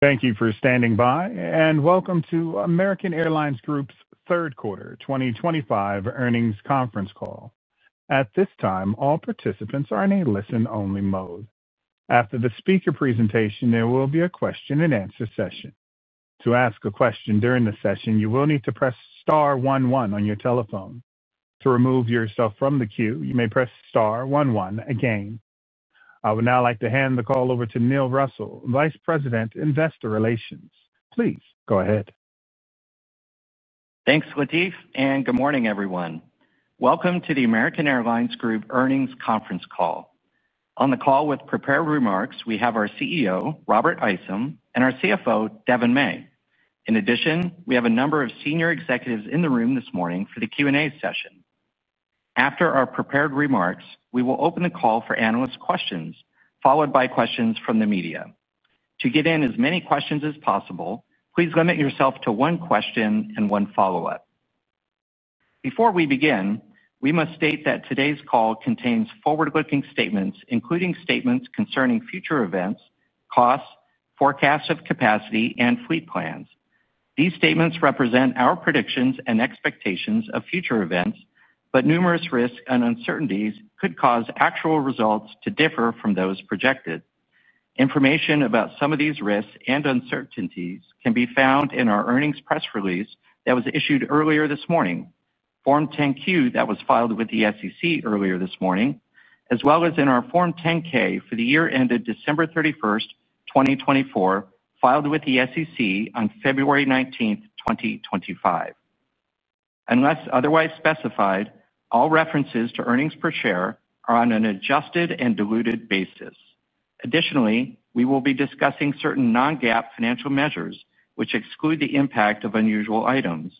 Thank you for standing by and welcome to American Airlines Group's third quarter 2025 earnings conference call. At this time, all participants are in a listen-only mode. After the speaker presentation, there will be a question and answer session. To ask a question during the session, you will need to press star one one on your telephone. To remove yourself from the queue, you may press star one one again. I would now like to hand the call over to Neil Russell, Vice President, Investor Relations. Please go ahead. Thanks, Latif, and good morning, everyone. Welcome to the American Airlines Group earnings conference call. On the call with prepared remarks, we have` our CEO, Robert Isom, and our CFO, Devon May. In addition, we have a number of senior executives in the room this morning for the Q&A session. After our prepared remarks, we will open the call for analyst questions, followed by questions from the media. To get in as many questions as possible, please limit yourself to one question and one follow-up. Before we begin, we must state that today's call contains forward-looking statements, including statements concerning future events, costs, forecast of capacity, and fleet plans. These statements represent our predictions and expectations of future events, but numerous risks and uncertainties could cause actual results to differ from those projected. Information about some of these risks and uncertainties can be found in our earnings press release that was issued earlier this morning, Form 10-Q that was filed with the SEC earlier this morning, as well as in our Form 10-K for the year ended December 31st, 2024, filed with the SEC on February 19th, 2025. Unless otherwise specified, all references to earnings per share are on an adjusted and diluted basis. Additionally, we will be discussing certain non-GAAP financial measures, which exclude the impact of unusual items.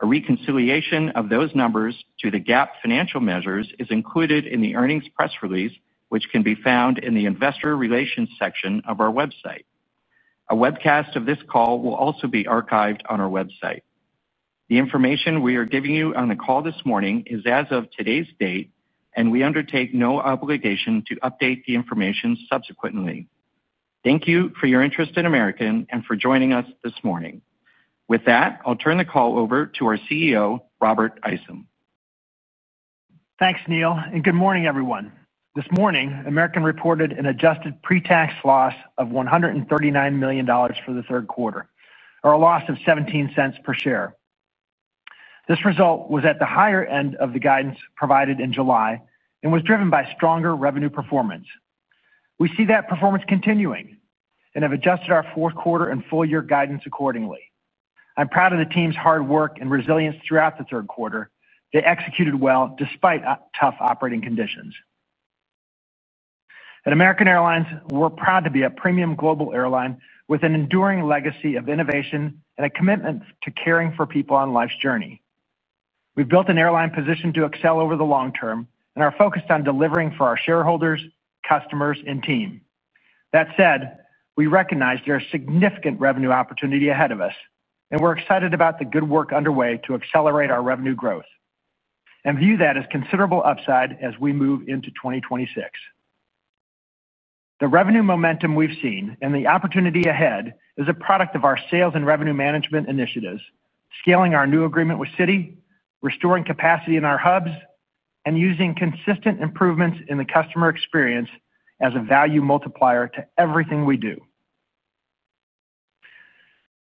A reconciliation of those numbers to the GAAP financial measures is included in the earnings press release, which can be found in the Investor Relations section of our website. A webcast of this call will also be archived on our website. The information we are giving you on the call this morning is as of today's date, and we undertake no obligation to update the information subsequently. Thank you for your interest in American and for joining us this morning. With that, I'll turn the call over to our CEO, Robert Isom. Thanks, Neil, and good morning, everyone. This morning, American reported an adjusted pre-tax loss of $139 million for the third quarter, or a loss of $0.17 per share. This result was at the higher end of the guidance provided in July and was driven by stronger revenue performance. We see that performance continuing and have adjusted our fourth quarter and full-year guidance accordingly. I'm proud of the team's hard work and resilience throughout the third quarter. They executed well despite tough operating conditions. At American Airlines, we're proud to be a premium global airline with an enduring legacy of innovation and a commitment to caring for people on life's journey. We've built an airline positioned to excel over the long term and are focused on delivering for our shareholders, customers, and team. That said, we recognize there is significant revenue opportunity ahead of us, and we're excited about the good work underway to accelerate our revenue growth and view that as considerable upside as we move into 2026. The revenue momentum we've seen and the opportunity ahead is a product of our sales and revenue management initiatives, scaling our new agreement with Citi, restoring capacity in our hubs, and using consistent improvements in the customer experience as a value multiplier to everything we do.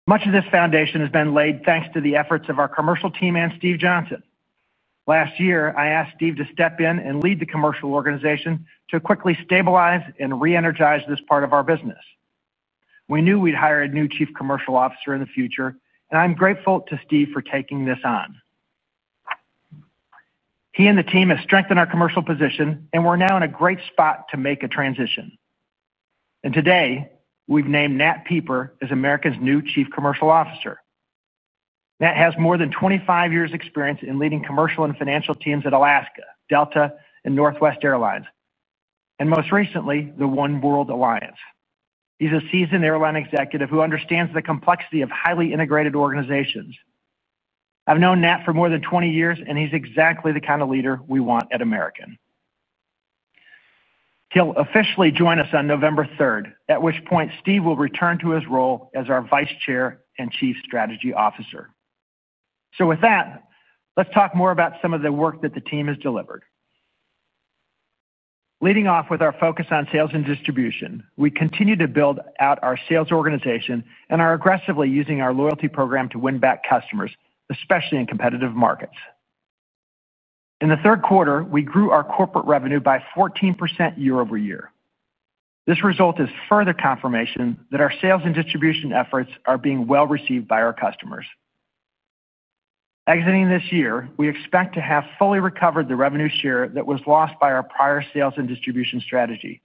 Much of this foundation has been laid thanks to the efforts of our commercial team and Steve Johnson. Last year, I asked Steve to step in and lead the commercial organization to quickly stabilize and re-energize this part of our business. We knew we'd hire a new Chief Commercial Officer in the future, and I'm grateful to Steve for taking this on. He and the team have strengthened our commercial position, and we're now in a great spot to make a transition. Today, we've named Nat Pieper as American's new Chief Commercial Officer. Nat has more than 25 years' experience in leading commercial and financial teams at Alaska, Delta, and Northwest Airlines, and most recently, the One World Alliance. He's a seasoned airline executive who understands the complexity of highly integrated organizations. I've known Nat for more than 20 years, and he's exactly the kind of leader we want at American. He'll officially join us on November 3rd at which point Steve will return to his role as our Vice Chair and Chief Strategy Officer. With that, let's talk more about some of the work that the team has delivered. Leading off with our focus on sales and distribution, we continue to build out our sales organization and are aggressively using our loyalty program to win back customers, especially in competitive markets. In the third quarter, we grew our corporate revenue by 14% year-over-year. This result is further confirmation that our sales and distribution efforts are being well received by our customers. Exiting this year, we expect to have fully recovered the revenue share that was lost by our prior sales and distribution strategy.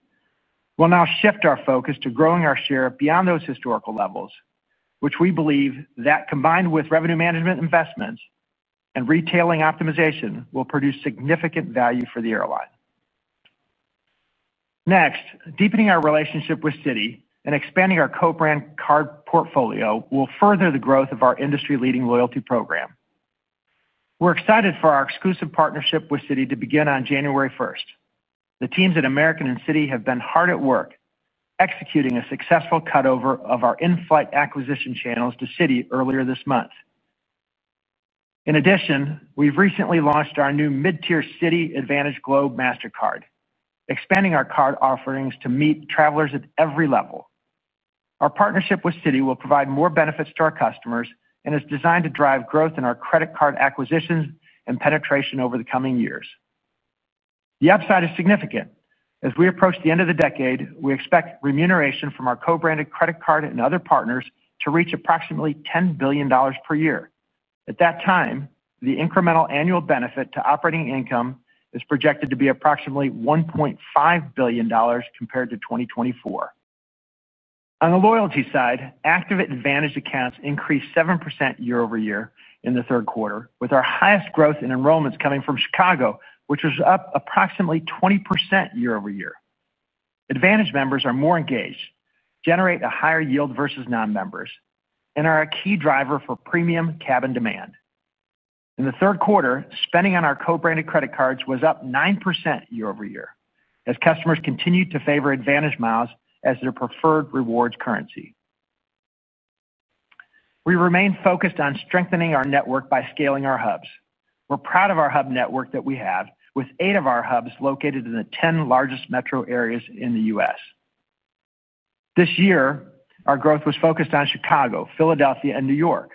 We'll now shift our focus to growing our share beyond those historical levels, which we believe that, combined with revenue management investments and retailing optimization, will produce significant value for the airline. Next, deepening our relationship with Citi and expanding our co-brand card portfolio will further the growth of our industry-leading loyalty program. We're excited for our exclusive partnership with Citi to begin on January 1st. The teams at American and Citi have been hard at work executing a successful cutover of our in-flight acquisition channels to Citi earlier this month. In addition, we've recently launched our new mid-tier Citi Advantage Globe MasterCard, expanding our card offerings to meet travelers at every level. Our partnership with Citi will provide more benefits to our customers and is designed to drive growth in our credit card acquisitions and penetration over the coming years. The upside is significant. As we approach the end of the decade, we expect remuneration from our co-branded credit card and other partners to reach approximately $10 billion per year. At that time, the incremental annual benefit to operating income is projected to be approximately $1.5 billion compared to 2024. On the loyalty side, active Advantage accounts increased 7% year-over-year in the third quarter, with our highest growth in enrollments coming from Chicago, which was up approximately 20% year-over-year. Advantage members are more engaged, generate a higher yield versus non-members, and are a key driver for premium cabin demand. In the third quarter, spending on our co-branded credit cards was up 9% year-over-year as customers continued to favor Advantage miles as their preferred rewards currency. We remain focused on strengthening our network by scaling our hubs. We're proud of our hub network that we have, with eight of our hubs located in the 10 largest metro areas in the U.S. This year, our growth was focused on Chicago, Philadelphia, and New York.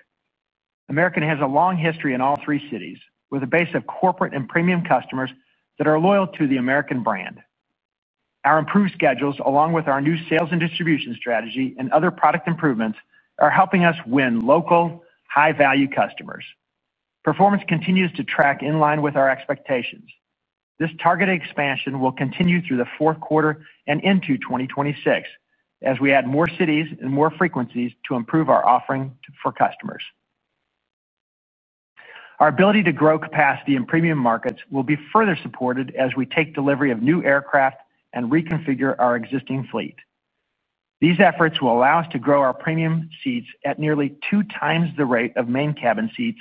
American has a long history in all three cities, with a base of corporate and premium customers that are loyal to the American brand. Our improved schedules, along with our new sales and distribution strategy and other product improvements, are helping us win local, high-value customers. Performance continues to track in line with our expectations. This targeted expansion will continue through the fourth quarter and into 2026, as we add more cities and more frequencies to improve our offering for customers. Our ability to grow capacity in premium markets will be further supported as we take delivery of new aircraft and reconfigure our existing fleet. These efforts will allow us to grow our premium seats at nearly two times the rate of main cabin seats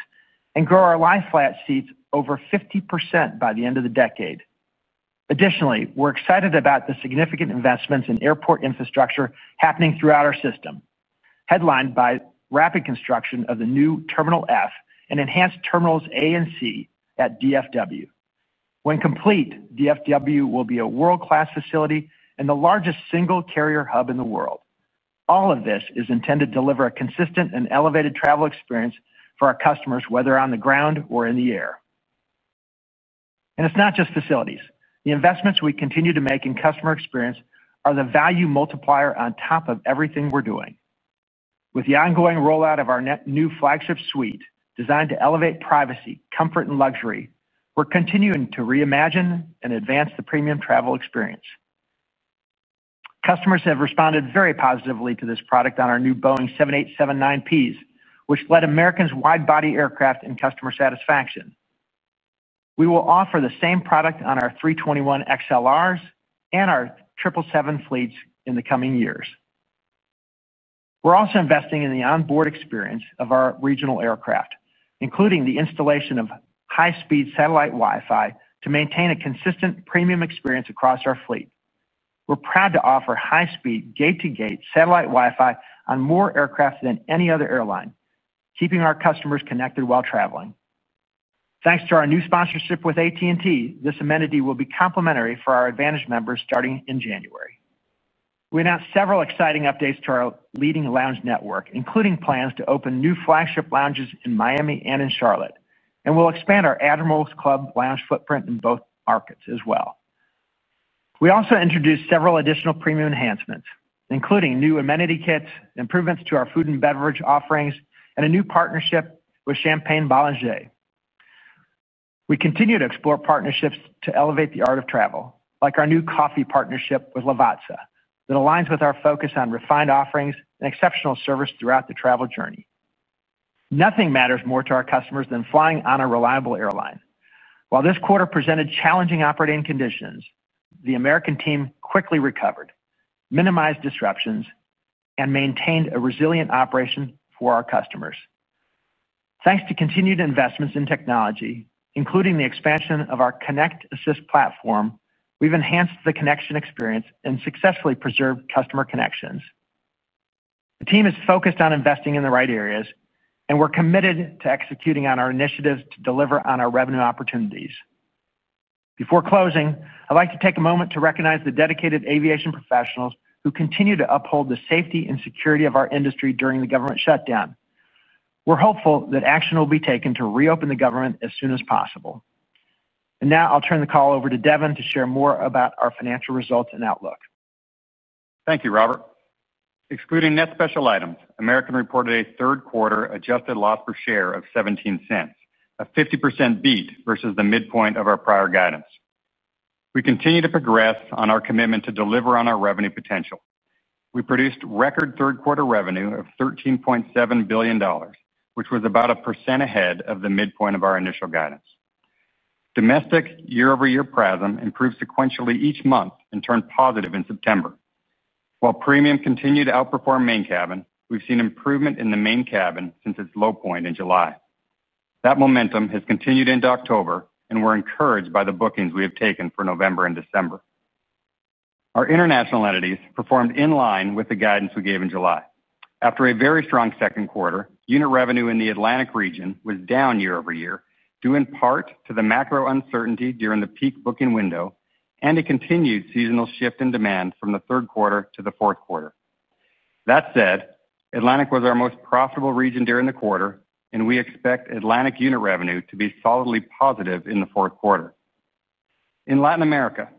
and grow our lie-flat seats over 50% by the end of the decade. Additionally, we're excited about the significant investments in airport infrastructure happening throughout our system, headlined by rapid construction of the new Terminal F and enhanced Terminals A and C at DFW. When complete, DFW will be a world-class facility and the largest single carrier hub in the world. All of this is intended to deliver a consistent and elevated travel experience for our customers, whether on the ground or in the air. It's not just facilities. The investments we continue to make in customer experience are the value multiplier on top of everything we're doing. With the ongoing rollout of our new flagship suite designed to elevate privacy, comfort, and luxury, we're continuing to reimagine and advance the premium travel experience. Customers have responded very positively to this product on our new Boeing 787-9s, which led American's wide-body aircraft in customer satisfaction. We will offer the same product on our A321 XLRs and our 777 fleets in the coming years. We're also investing in the onboard experience of our regional aircraft, including the installation of high-speed satellite Wi-Fi to maintain a consistent premium experience across our fleet. We're proud to offer high-speed gate-to-gate satellite Wi-Fi on more aircraft than any other airline, keeping our customers connected while traveling. Thanks to our new sponsorship with AT&T, this amenity will be complimentary for our Advantage members starting in January. We announced several exciting updates to our leading lounge network, including plans to open new flagship lounges in Miami and in Charlotte, and we will expand our Admirals Club lounge footprint in both markets as well. We also introduced several additional premium enhancements, including new amenity kits, improvements to our food and beverage offerings, and a new partnership with Champagne Bollinger. We continue to explore partnerships to elevate the art of travel, like our new coffee partnership with Lavazza, that aligns with our focus on refined offerings and exceptional service throughout the travel journey. Nothing matters more to our customers than flying on a reliable airline. While this quarter presented challenging operating conditions, the American team quickly recovered, minimized disruptions, and maintained a resilient operation for our customers. Thanks to continued investments in technology, including the expansion of our Connect Assist platform, we have enhanced the connection experience and successfully preserved customer connections. The team is focused on investing in the right areas, and we are committed to executing on our initiatives to deliver on our revenue opportunities. Before closing, I would like to take a moment to recognize the dedicated aviation professionals who continue to uphold the safety and security of our industry during the government shutdown. We are hopeful that action will be taken to reopen the government as soon as possible. Now I will turn the call over to Devon to share more about our financial results and outlook. Thank you, Robert. Excluding net special items, American reported a third quarter adjusted loss per share of $0.17, a 50% beat versus the midpoint of our prior guidance. We continue to progress on our commitment to deliver on our revenue potential. We produced record third-quarter revenue of $13.7 billion, which was about 1% ahead of the midpoint of our initial guidance. Domestic year-over-year PRASM improved sequentially each month and turned positive in September. While premium continued to outperform main cabin, we've seen improvement in the main cabin since its low point in July. That momentum has continued into October, and we're encouraged by the bookings we have taken for November and December. Our international entities performed in line with the guidance we gave in July. After a very strong second quarter, unit revenue in the Atlantic region was down year-over-year, due in part to the macro uncertainty during the peak booking window and a continued seasonal shift in demand from the third quarter to the fourth quarter. That said, Atlantic was our most profitable region during the quarter, and we expect Atlantic unit revenue to be solidly positive in the fourth quarter. In Latin America,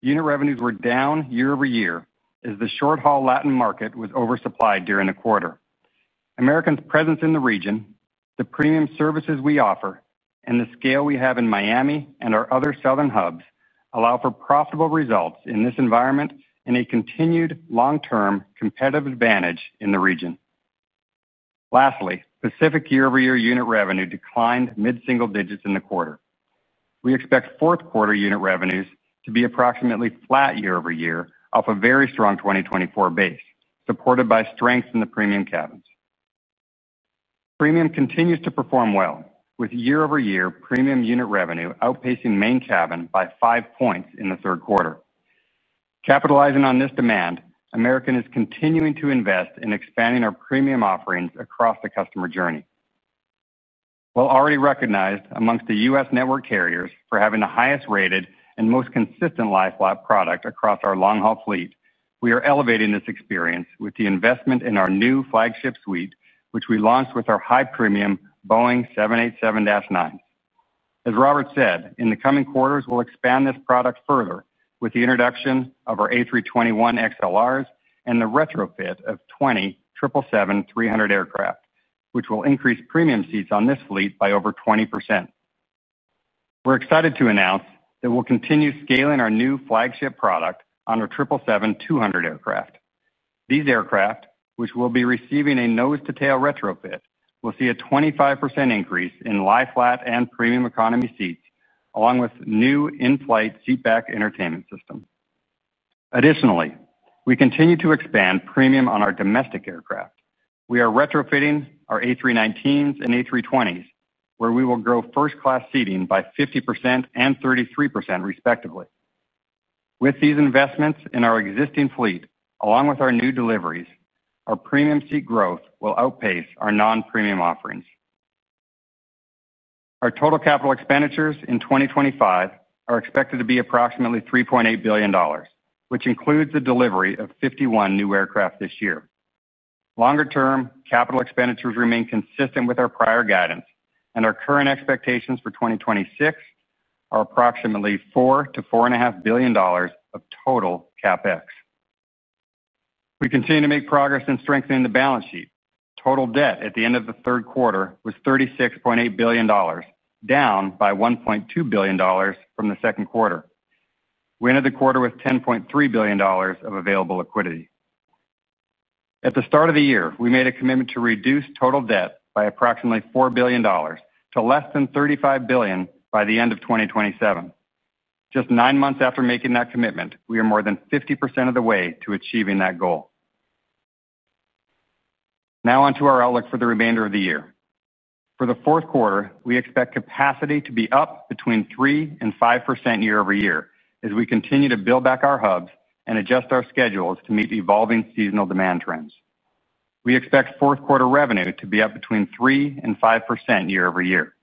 unit revenues were down year-over-year as the short-haul Latin market was oversupplied during the quarter. American's presence in the region, the premium services we offer, and the scale we have in Miami and our other southern hubs allow for profitable results in this environment and a continued long-term competitive advantage in the region. Lastly, Pacific year-over-year unit revenue declined mid-single digits in the quarter. We expect fourth quarter unit revenues to be approximately flat year-over-year off a very strong 2024 base, supported by strength in the premium cabins. Premium continues to perform well, with year-over-year premium unit revenue outpacing main cabin by 5 points in the third quarter. Capitalizing on this demand, American is continuing to invest in expanding our premium offerings across the customer journey. While already recognized amongst the U.S. network carriers for having the highest-rated and most consistent lie-flat product across our long-haul fleet, we are elevating this experience with the investment in our new flagship suite, which we launched with our high-premium Boeing 787-9. As Robert said, in the coming quarters, we'll expand this product further with the introduction of our A321 XLRs and the retrofit of 20 777-300 aircraft, which will increase premium seats on this fleet by over 20%. We're excited to announce that we'll continue scaling our new flagship product on our 777-200 aircraft. These aircraft, which will be receiving a nose-to-tail retrofit, will see a 25% increase in lie-flat and premium economy seats, along with new in-flight seatback entertainment systems. Additionally, we continue to expand premium on our domestic aircraft. We are retrofitting our A319s and A320s, where we will grow first-class seating by 50% and 33% respectively. With these investments in our existing fleet, along with our new deliveries, our premium seat growth will outpace our non-premium offerings. Our total capital expenditures in 2025 are expected to be approximately $3.8 billion, which includes the delivery of 51 new aircraft this year. Longer-term capital expenditures remain consistent with our prior guidance, and our current expectations for 2026 are approximately $4 billion-$4.5 billion of total CapEx. We continue to make progress in strengthening the balance sheet. Total debt at the end of the third quarter was $36.8 billion, down by $1.2 billion from the second quarter. We ended the quarter with $10.3 billion of available liquidity. At the start of the year, we made a commitment to reduce total debt by approximately $4 billion to less than $35 billion by the end of 2027. Just nine months after making that commitment, we are more than 50% of the way to achieving that goal. Now on to our outlook for the remainder of the year. For the fourth quarter, we expect capacity to be up between 3% and 5% year-over-year as we continue to build back our hubs and adjust our schedules to meet evolving seasonal demand trends. We expect fourth quarter revenue to be up between 3% and 5% year-over-year.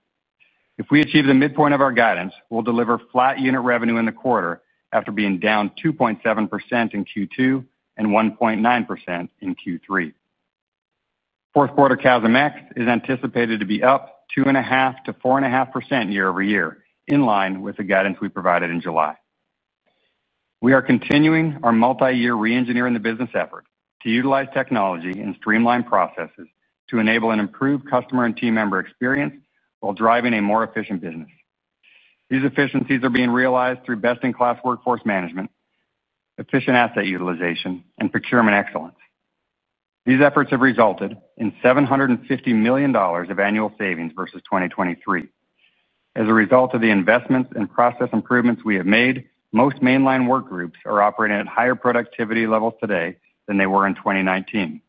If we achieve the midpoint of our guidance, we'll deliver flat unit revenue in the quarter after being down 2.7% in Q2 and 1.9% in Q3. Fourth quarter CASMx is anticipated to be up 2.5%-4.5% year-over-year, in line with the guidance we provided in July. We are continuing our multi-year re-engineering the business effort to utilize technology and streamline processes to enable an improved customer and team member experience while driving a more efficient business. These efficiencies are being realized through best-in-class workforce management, efficient asset utilization, and procurement excellence. These efforts have resulted in $750 million of annual savings versus 2023. As a result of the investments and process improvements we have made, most mainline work groups are operating at higher productivity levels today than they were in 2019.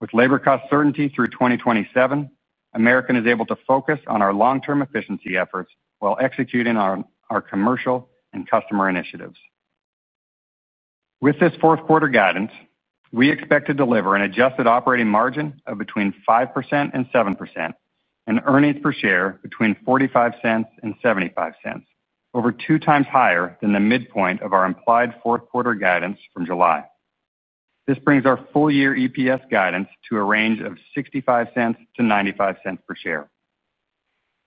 With labor cost certainty through 2027, American is able to focus on our long-term efficiency efforts while executing on our commercial and customer initiatives. With this fourth quarter guidance, we expect to deliver an adjusted operating margin of between 5% and 7% and earnings per share between $0.45 and $0.75, over two times higher than the midpoint of our implied fourth quarter guidance from July. This brings our full-year EPS guidance to a range of $0.65-$0.95 per share.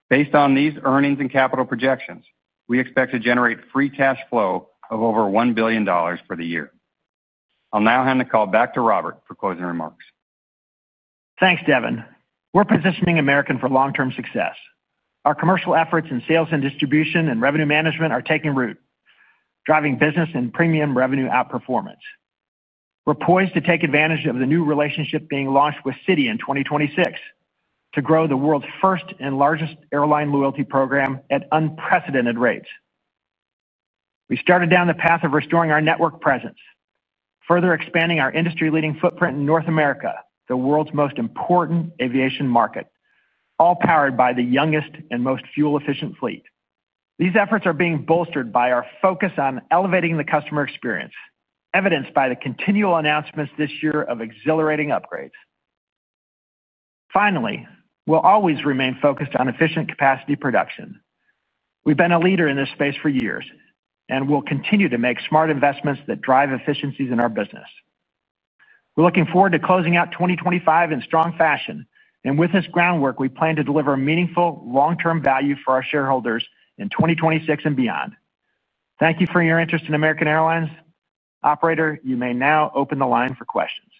Based on these earnings and capital projections, we expect to generate free cash flow of over $1 billion for the year. I'll now hand the call back to Robert for closing remarks. Thanks, Devon. We're positioning American for long-term success. Our commercial efforts in sales and distribution and revenue management are taking root, driving business and premium revenue outperformance. We're poised to take advantage of the new relationship being launched with Citi in 2026 to grow the world's first and largest airline loyalty program at unprecedented rates. We started down the path of restoring our network presence, further expanding our industry-leading footprint in North America, the world's most important aviation market, all powered by the youngest and most fuel-efficient fleet. These efforts are being bolstered by our focus on elevating the customer experience, evidenced by the continual announcements this year of exhilarating upgrades. Finally, we'll always remain focused on efficient capacity production. We've been a leader in this space for years, and we'll continue to make smart investments that drive efficiencies in our business. We're looking forward to closing out 2025 in strong fashion, and with this groundwork, we plan to deliver meaningful long-term value for our shareholders in 2026 and beyond. Thank you for your interest in American Airlines. Operator, you may now open the line for questions.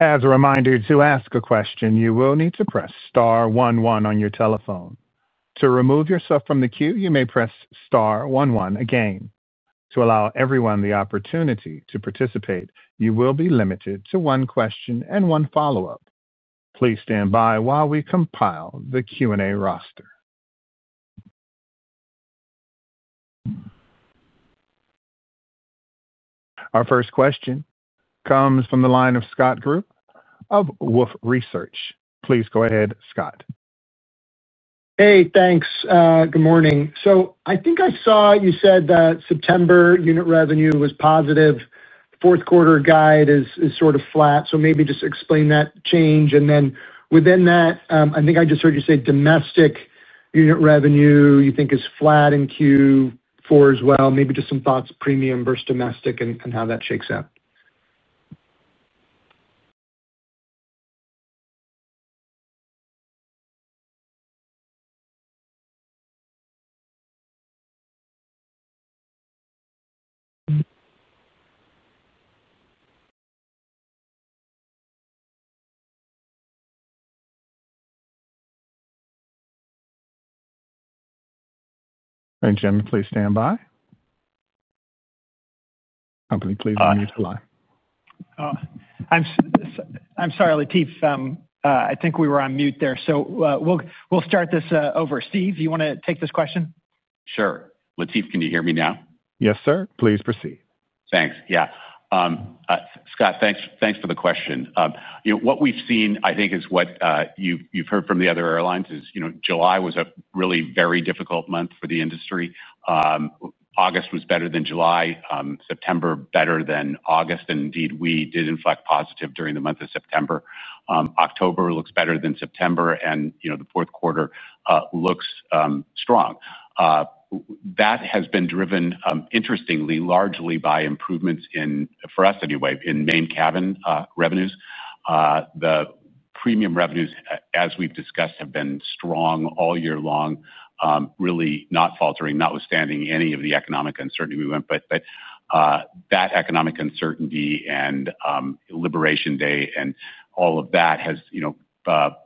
As a reminder, to ask a question, you will need to press star one one on your telephone. To remove yourself from the queue, you may press star one one again. To allow everyone the opportunity to participate, you will be limited to one question and one follow-up. Please stand by while we compile the Q&A roster. Our first question comes from the line of Scott Group of Wolfe Research. Please go ahead, Scott. Hey, thanks. Good morning. I think I saw you said that September unit revenue was positive. The fourth quarter guide is sort of flat, so maybe just explain that change. Within that, I think I just heard you say domestic unit revenue you think is flat in Q4 as well. Maybe just some thoughts premium versus domestic and how that shakes out. Thanks, Jim. Please stand by. Company, please unmute the line. I'm sorry, Latif. I think we were on mute there. We'll start this over. Steve, you want to take this question? Sure. Latif, can you hear me now? Yes, sir. Please proceed. Thanks. Yeah. Scott, thanks for the question. You know what we've seen, I think, is what you've heard from the other airlines is July was a really very difficult month for the industry. August was better than July. September better than August. Indeed, we did inflect positive during the month of September. October looks better than September, and the fourth quarter looks strong. That has been driven, interestingly, largely by improvements in, for us anyway, in main cabin revenues. The premium revenues, as we've discussed, have been strong all year long, really not faltering, notwithstanding any of the economic uncertainty we went by. That economic uncertainty and Liberation Day and all of that has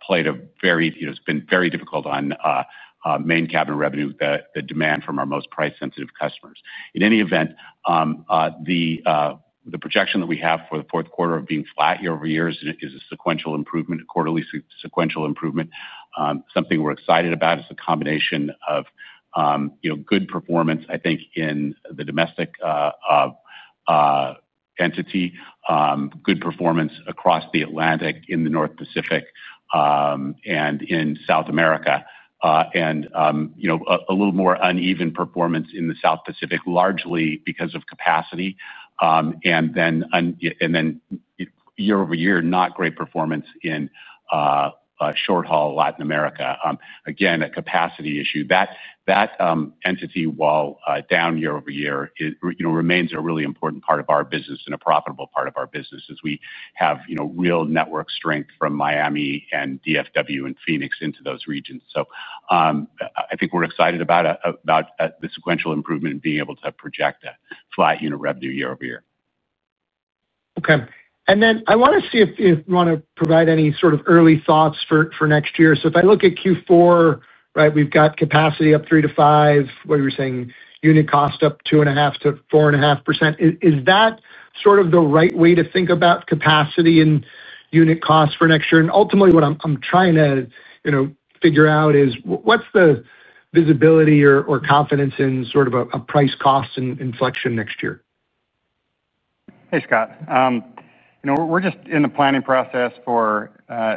played a very, it's been very difficult on main cabin revenue, the demand from our most price-sensitive customers. In any event, the projection that we have for the fourth quarter of being flat year-over-year is a sequential improvement, a quarterly sequential improvement. Something we're excited about is the combination of good performance, I think, in the domestic entity, good performance across the Atlantic, in the North Pacific, and in South America, and a little more uneven performance in the South Pacific, largely because of capacity. year-over-year, not great performance in short-haul Latin America. Again, a capacity issue. That entity, while down year-over-year, remains a really important part of our business and a profitable part of our business as we have real network strength from Miami and DFW and Phoenix into those regions. I think we're excited about the sequential improvement and being able to project a flat unit revenue year-over-year. OK. I want to see if you want to provide any sort of early thoughts for next year. If I look at Q4, right, we've got capacity up 3%-5%. What you were saying, unit cost up 2.5%-4.5%. Is that the right way to think about capacity and unit costs for next year? Ultimately, what I'm trying to figure out is what's the visibility or confidence in a price cost inflection next year? Hey, Scott. We're just in the planning process for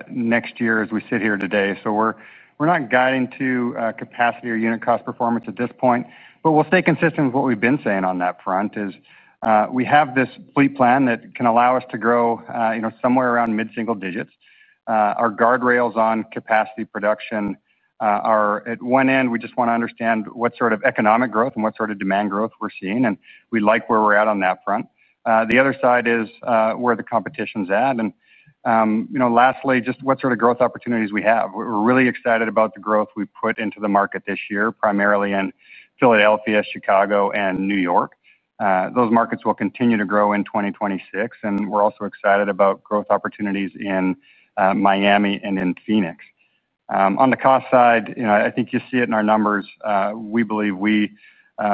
next year as we sit here today. We're not guiding to capacity or unit cost performance at this point. We'll stay consistent with what we've been saying on that front. We have this fleet plan that can allow us to grow somewhere around mid-single digits. Our guardrails on capacity production are at one end, we just want to understand what sort of economic growth and what sort of demand growth we're seeing. We like where we're at on that front. The other side is where the competition's at. Lastly, just what sort of growth opportunities we have. We're really excited about the growth we put into the market this year, primarily in Philadelphia, Chicago, and New York. Those markets will continue to grow in 2026. We're also excited about growth opportunities in Miami and in Phoenix. On the cost side, I think you see it in our numbers. We believe we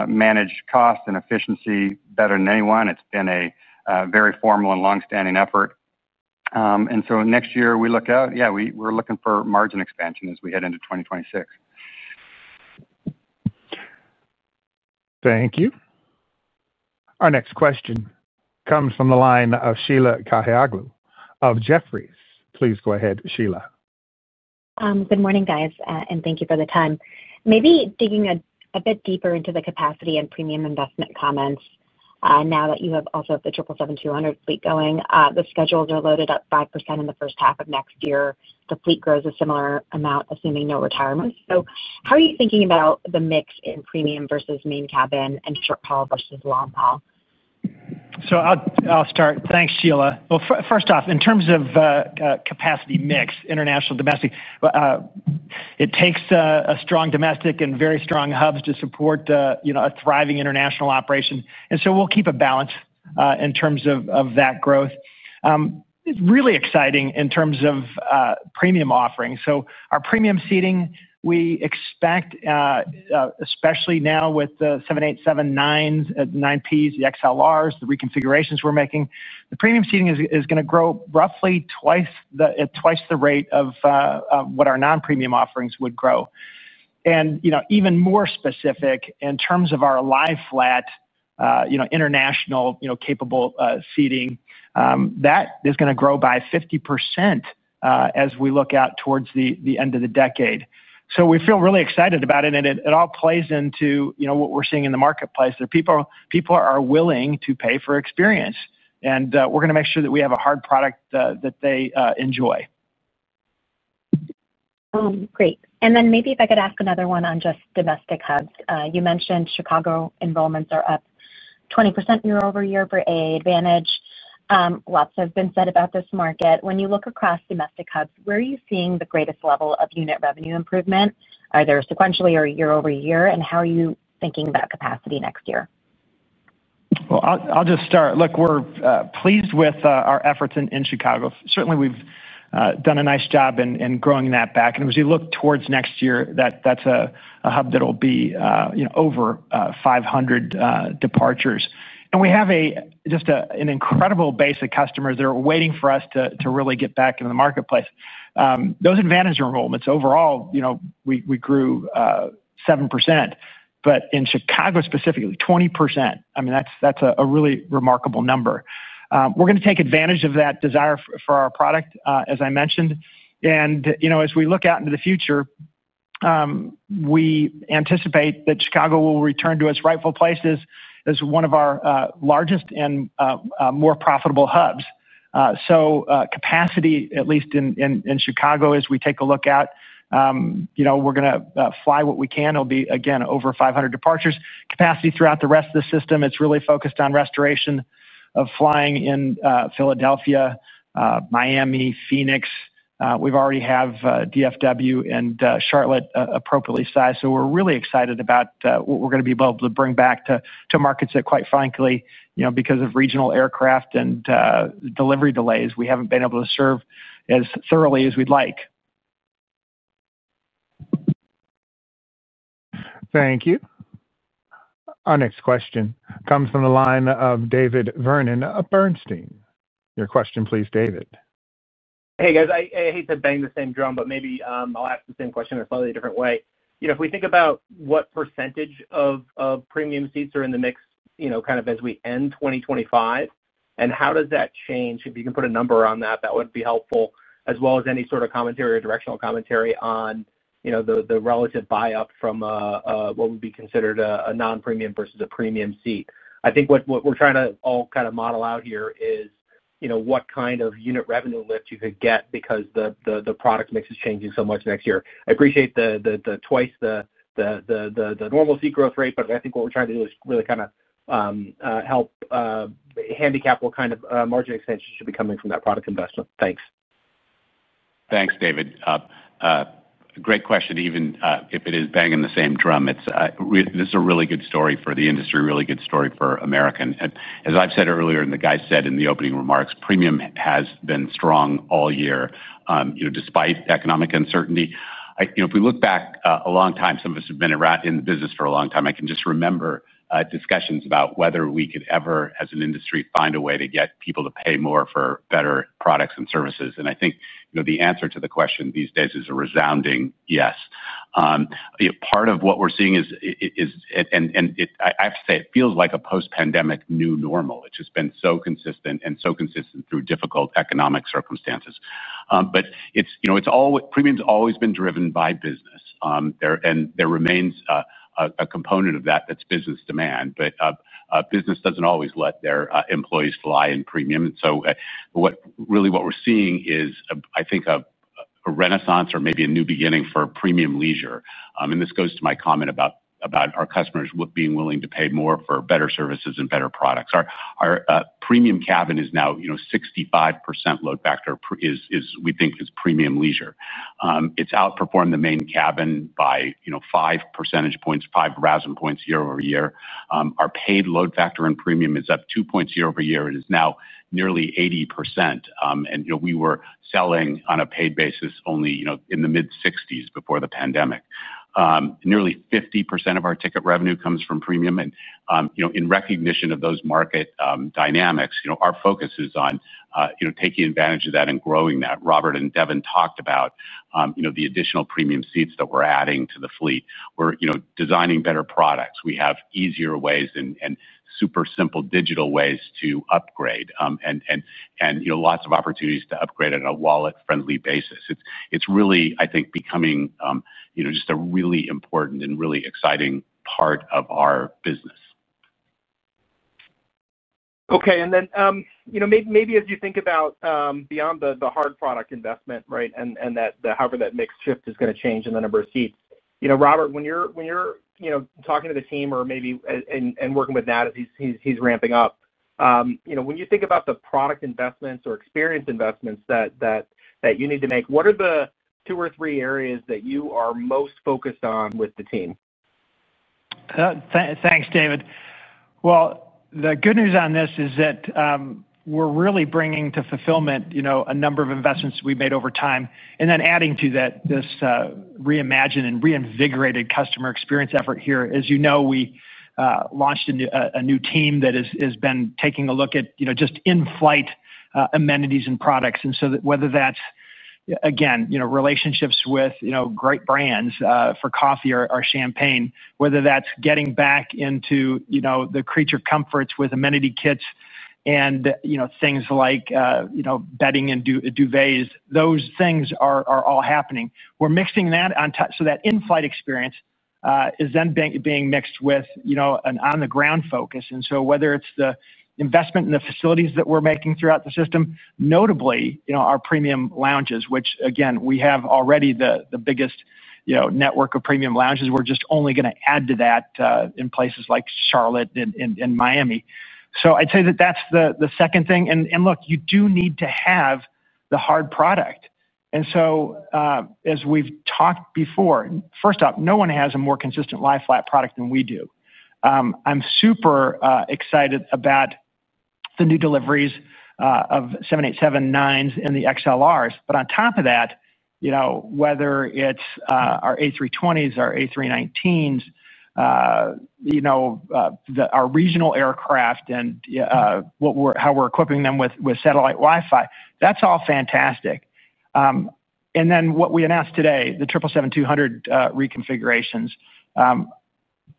manage cost and efficiency better than anyone. It's been a very formal and long-standing effort. Next year, we look out. Yeah, we're looking for margin expansion as we head into 2026. Thank you. Our next question comes from the line of Sheila Kahyaoglu of Jefferies. Please go ahead, Sheila. Good morning, guys, and thank you for the time. Maybe digging a bit deeper into the capacity and premium investment comments. Now that you have also the 777-200 fleet going, the schedules are loaded up 5% in the first half of next year. The fleet grows a similar amount, assuming no retirement. How are you thinking about the mix in premium versus main cabin and short-haul versus long-haul? Thank you, Sheila. First off, in terms of capacity mix, international and domestic, it takes a strong domestic and very strong hubs to support a thriving international operation. We will keep a balance in terms of that growth. It is really exciting in terms of premium offerings. Our premium seating, we expect, especially now with the 787-9s, the XLRs, the reconfigurations we are making, the premium seating is going to grow roughly at twice the rate of what our non-premium offerings would grow. Even more specific, in terms of our lie-flat international capable seating, that is going to grow by 50% as we look out towards the end of the decade. We feel really excited about it, and it all plays into what we are seeing in the marketplace. People are willing to pay for experience, and we are going to make sure that we have a hard product that they enjoy. Great. Maybe if I could ask another one on just domestic hubs. You mentioned Chicago enrollments are up 20% year-over-year for AAdvantage. Lots have been said about this market. When you look across domestic hubs, where are you seeing the greatest level of unit revenue improvement? Are there sequentially or year-over-year? How are you thinking about capacity next year? We're pleased with our efforts in Chicago. Certainly, we've done a nice job in growing that back. As you look towards next year, that's a hub that will be over 500 departures. We have just an incredible base of customers that are waiting for us to really get back into the marketplace. Those Advantage enrollments overall, we grew 7%, but in Chicago specifically, 20%. I mean, that's a really remarkable number. We're going to take advantage of that desire for our product, as I mentioned. As we look out into the future, we anticipate that Chicago will return to its rightful place as one of our largest and more profitable hubs. Capacity, at least in Chicago, as we take a look out, we're going to fly what we can. It'll be, again, over 500 departures. Capacity throughout the rest of the system is really focused on restoration of flying in Philadelphia, Miami, Phoenix. We already have DFW and Charlotte appropriately sized. We're really excited about what we're going to be able to bring back to markets that, quite frankly, because of regional aircraft and delivery delays, we haven't been able to serve as thoroughly as we'd like. Thank you. Our next question comes from the line of David Vernon of Bernstein. Your question, please, David. Hey, guys. I hate to bang the same drum, but maybe I'll ask the same question in a slightly different way. If we think about what percentage of premium seats are in the mix kind of as we end 2025, and how does that change? If you can put a number on that, that would be helpful, as well as any sort of commentary or directional commentary on the relative buy-up from what would be considered a non-premium versus a premium seat. I think what we're trying to all kind of model out here is what kind of unit revenue lift you could get because the product mix is changing so much next year. I appreciate the twice the normal seat growth rate, but I think what we're trying to do is really kind of help handicap what kind of margin expansion should be coming from that product investment. Thanks. Thanks, David. Great question, even if it is banging the same drum. This is a really good story for the industry, a really good story for American. As I've said earlier and the guys said in the opening remarks, premium has been strong all year despite economic uncertainty. If we look back a long time, some of us have been in the business for a long time, I can just remember discussions about whether we could ever, as an industry, find a way to get people to pay more for better products and services. I think the answer to the question these days is a resounding yes. Part of what we're seeing is, I have to say, it feels like a post-pandemic new normal. It's just been so consistent and so consistent through difficult economic circumstances. Premium's always been driven by business. There remains a component of that that's business demand. Business doesn't always let their employees fly in premium. Really what we're seeing is, I think, a renaissance or maybe a new beginning for premium leisure. This goes to my comment about our customers being willing to pay more for better services and better products. Our premium cabin is now 65% load factor, which we think is premium leisure. It's outperformed the main cabin by five percentage points, five PRASM points year-over-year. Our paid load factor in premium is up 2 points year-over-year. It is now nearly 80%. We were selling on a paid basis only in the mid-60% before the pandemic. Nearly 50% of our ticket revenue comes from premium. In recognition of those market dynamics, our focus is on taking advantage of that and growing that. Robert and Devon talked about the additional premium seats that we're adding to the fleet. We're designing better products. We have easier ways and super simple digital ways to upgrade and lots of opportunities to upgrade on a wallet-friendly basis. It's really, I think, becoming just a really important and really exciting part of our business. OK. As you think about beyond the hard product investment and however that mix shift is going to change in the number of seats, Robert, when you're talking to the team or maybe working with Nat as he's ramping up, when you think about the product investments or experience investments that you need to make, what are the two or three areas that you are most focused on with the team? Thanks, David. The good news on this is that we're really bringing to fulfillment a number of investments we made over time. Then adding to that, this reimagined and reinvigorated customer experience effort here. As you know, we launched a new team that has been taking a look at just in-flight amenities and products. Whether that's, again, relationships with great brands for coffee or champagne, whether that's getting back into the creature comforts with amenity kits and things like bedding and duvets, those things are all happening. We're mixing that on top so that in-flight experience is then being mixed with an on-the-ground focus. Whether it's the investment in the facilities that we're making throughout the system, notably our premium lounges, which, again, we have already the biggest network of premium lounges. We're just only going to add to that in places like Charlotte and Miami. I'd say that that's the second thing. Look, you do need to have the hard product. As we've talked before, first off, no one has a more consistent lie-flat product than we do. I'm super excited about the new deliveries of 787-9s and the XLRs. On top of that, whether it's our A320s, our A319s, our regional aircraft, and how we're equipping them with satellite Wi-Fi, that's all fantastic. What we announced today, the 777-200 reconfigurations,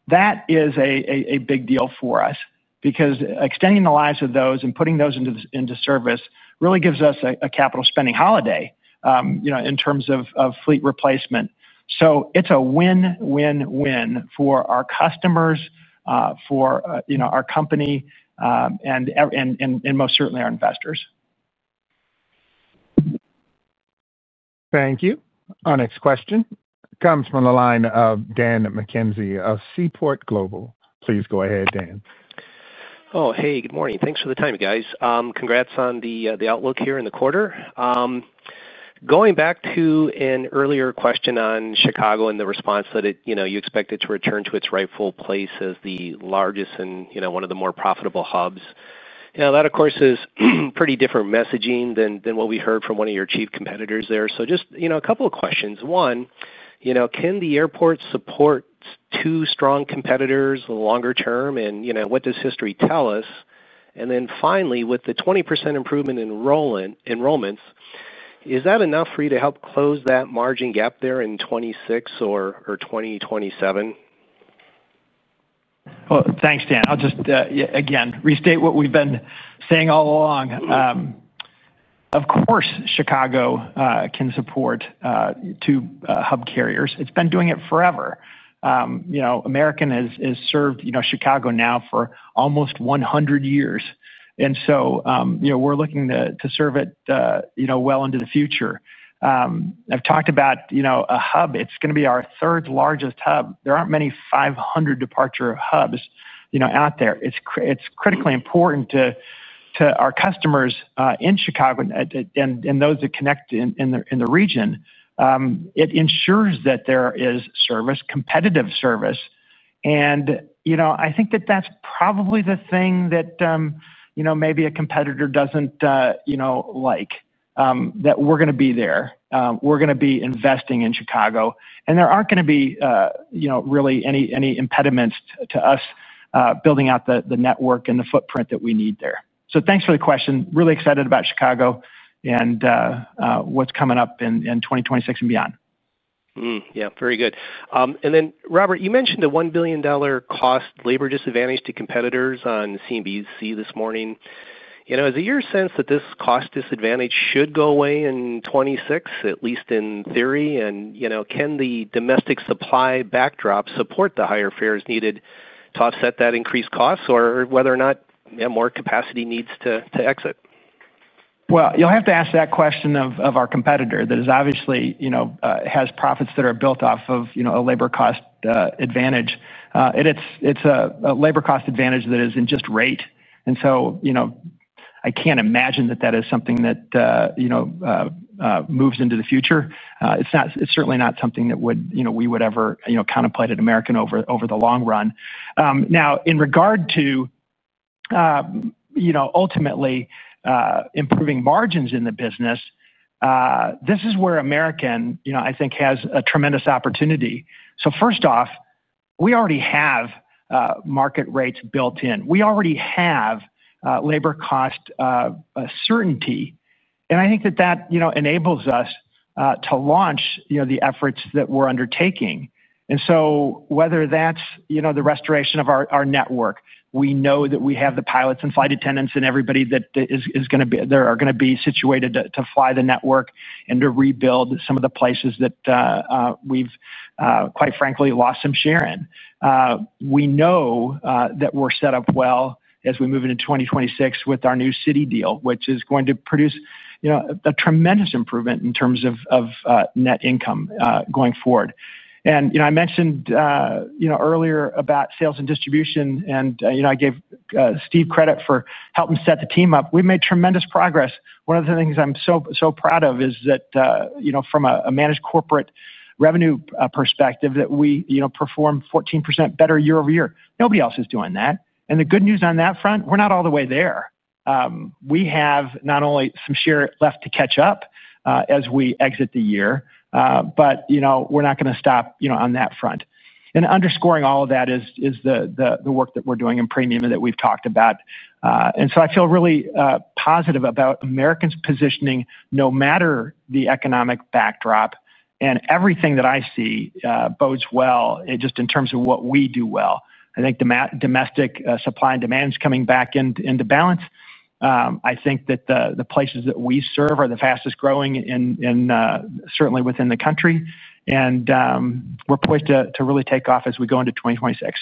that is a big deal for us because extending the lives of those and putting those into service really gives us a capital spending holiday in terms of fleet replacement. It's a win, win, win for our customers, for our company, and most certainly our investors. Thank you. Our next question comes from the line of Dan McKenzie of Seaport Global. Please go ahead, Dan. Oh, hey, good morning. Thanks for the time, you guys. Congrats on the outlook here in the quarter. Going back to an earlier question on Chicago and the response that you expect it to return to its rightful place as the largest and one of the more profitable hubs, that, of course, is pretty different messaging than what we heard from one of your chief competitors there. Just a couple of questions. One, can the airport support two strong competitors longer term? What does history tell us? Finally, with the 20% improvement in enrollments, is that enough for you to help close that margin gap there in 2026 or 2027? Thank you, Dan. I'll just restate what we've been saying all along. Of course, Chicago can support two hub carriers. It's been doing it forever. American has served Chicago now for almost 100 years, and we're looking to serve it well into the future. I've talked about a hub. It's going to be our third largest hub. There aren't many 500 departure hubs out there. It's critically important to our customers in Chicago and those that connect in the region. It ensures that there is service, competitive service. I think that's probably the thing that maybe a competitor doesn't like, that we're going to be there. We're going to be investing in Chicago, and there aren't going to be really any impediments to us building out the network and the footprint that we need there. Thank you for the question. Really excited about Chicago and what's coming up in 2026 and beyond. Very good. Robert, you mentioned the $1 billion cost labor disadvantage to competitors on CNBC this morning. Is it your sense that this cost disadvantage should go away in 2026, at least in theory? Can the domestic supply backdrop support the higher fares needed to offset that increased cost or whether or not more capacity needs to exit? You will have to ask that question of our competitor that obviously has profits that are built off of a labor cost advantage. It is a labor cost advantage that is in rate. I cannot imagine that is something that moves into the future. It is certainly not something that we would ever contemplate at American over the long run. In regard to ultimately improving margins in the business, this is where American, I think, has a tremendous opportunity. First off, we already have market rates built in. We already have labor cost certainty. I think that enables us to launch the efforts that we are undertaking. Whether that is the restoration of our network, we know that we have the pilots and flight attendants and everybody that are going to be situated to fly the network and to rebuild some of the places that we have, quite frankly, lost some share in. We know that we are set up well as we move into 2026 with our new Citi deal, which is going to produce a tremendous improvement in terms of net income going forward. I mentioned earlier about sales and distribution. I gave Steve credit for helping set the team up. We have made tremendous progress. One of the things I am so proud of is that from a managed corporate revenue perspective, we perform 14% better year-over-year. Nobody else is doing that. The good news on that front, we are not all the way there. We have not only some share left to catch up as we exit the year, but we are not going to stop on that front. Underscoring all of that is the work that we are doing in premium that we have talked about. I feel really positive about American positioning, no matter the economic backdrop. Everything that I see bodes well just in terms of what we do well. I think domestic supply and demand is coming back into balance. I think that the places that we serve are the fastest growing, certainly within the country. We are poised to really take off as we go into 2026.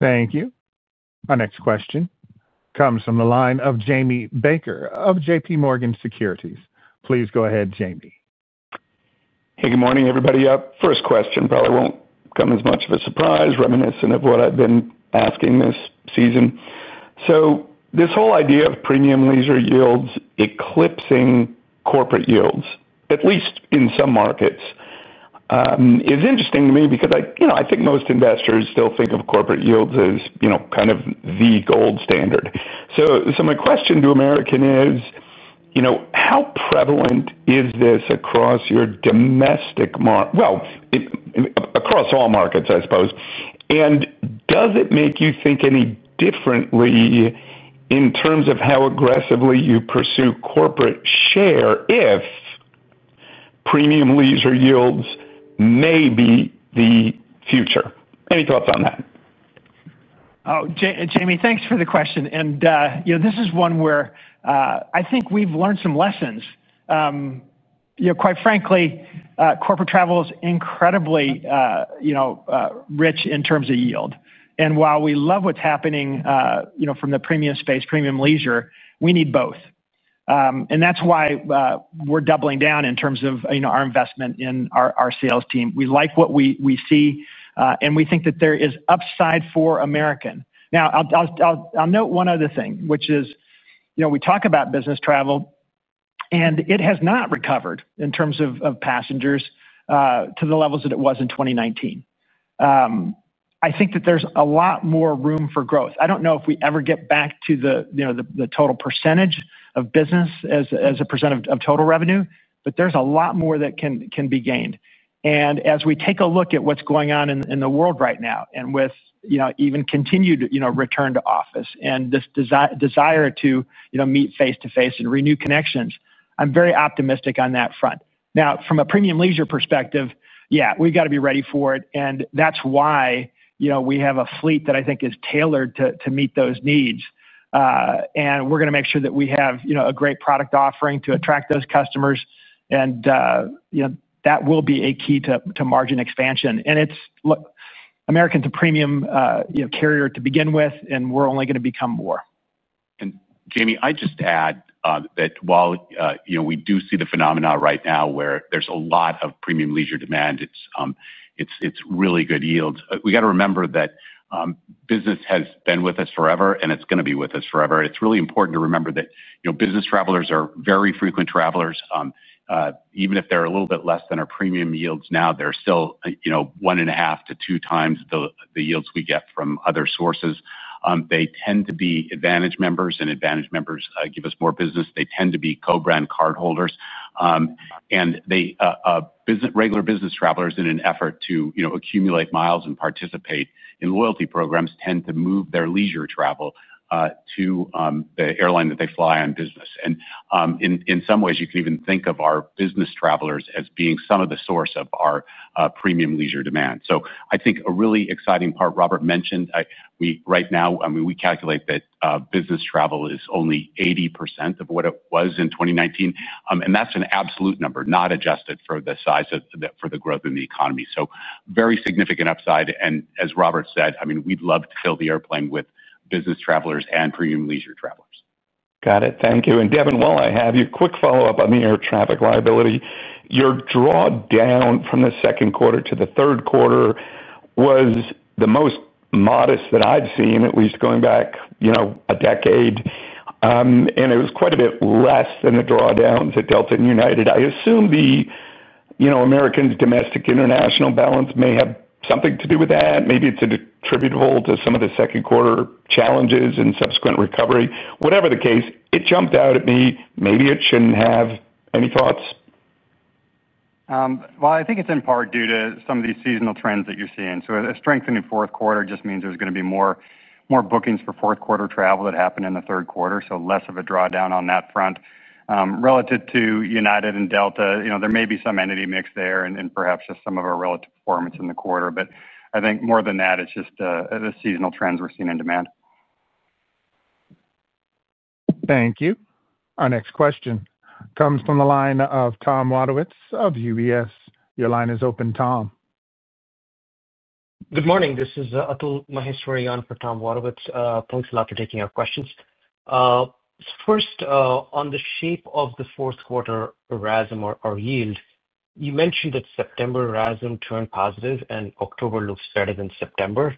Thank you. Our next question comes from the line of Jamie Baker of JPMorgan Securities. Please go ahead, Jamie. Hey, good morning, everybody. First question probably won't come as much of a surprise, reminiscent of what I've been asking this season. This whole idea of premium leisure yields eclipsing corporate yields, at least in some markets, is interesting to me because I think most investors still think of corporate yields as kind of the gold standard. My question to American is, how prevalent is this across your domestic market, across all markets, I suppose? Does it make you think any differently in terms of how aggressively you pursue corporate share if premium leisure yields may be the future? Any thoughts on that? Oh, Jamie, thanks for the question. This is one where I think we've learned some lessons. Quite frankly, corporate travel is incredibly rich in terms of yield. While we love what's happening from the premium space, premium leisure, we need both. That's why we're doubling down in terms of our investment in our sales team. We like what we see, and we think that there is upside for American. Now, I'll note one other thing, which is we talk about business travel. It has not recovered in terms of passengers to the levels that it was in 2019. I think that there's a lot more room for growth. I don't know if we ever get back to the total percentage of business as a percent of total revenue, but there's a lot more that can be gained. As we take a look at what's going on in the world right now and with even continued return to office and this desire to meet face to face and renew connections, I'm very optimistic on that front. From a premium leisure perspective, yeah, we've got to be ready for it. That's why we have a fleet that I think is tailored to meet those needs. We're going to make sure that we have a great product offering to attract those customers, and that will be a key to margin expansion. American's a premium carrier to begin with, and we're only going to become more. Jamie, I'd just add that while we do see the phenomenon right now where there's a lot of premium leisure demand, it's really good yields. We've got to remember that business has been with us forever, and it's going to be with us forever. It's really important to remember that business travelers are very frequent travelers. Even if they're a little bit less than our premium yields now, they're still 1.5 to 2x the yields we get from other sources. They tend to be AAdvantage members, and AAdvantage members give us more business. They tend to be co-brand cardholders, and regular business travelers, in an effort to accumulate miles and participate in loyalty programs, tend to move their leisure travel to the airline that they fly on business. In some ways, you can even think of our business travelers as being some of the source of our premium leisure demand. I think a really exciting part Robert mentioned right now, I mean, we calculate that business travel is only 80% of what it was in 2019, and that's an absolute number, not adjusted for the size of the growth in the economy. Very significant upside, and as Robert said, we'd love to fill the airplane with business travelers and premium leisure travelers. Got it. Thank you. Devon, while I have you, a quick follow-up on the air traffic liability. Your drawdown from the second quarter to the third quarter was the most modest that I've seen, at least going back a decade. It was quite a bit less than the drawdowns at Delta and United. I assume American's domestic international balance may have something to do with that. Maybe it's attributable to some of the second quarter challenges and subsequent recovery. Whatever the case, it jumped out at me. Maybe it shouldn't have. Any thoughts? I think it's in part due to some of these seasonal trends that you're seeing. A strengthening fourth quarter just means there's going to be more bookings for fourth quarter travel that happened in the third quarter, so less of a drawdown on that front. Relative to United and Delta, there may be some entity mix there and perhaps just some of our relative performance in the quarter. I think more than that, it's just the seasonal trends we're seeing in demand. Thank you. Our next question comes from the line of Tom Wadewitz of UBS. Your line is open, Tom. Good morning. This is Atul Maheswari on for Tom Wadewitz. Thanks a lot for taking our questions. First, on the shape of the fourth quarter RASM or yield, you mentioned that September RASM turned positive and October looks better than September.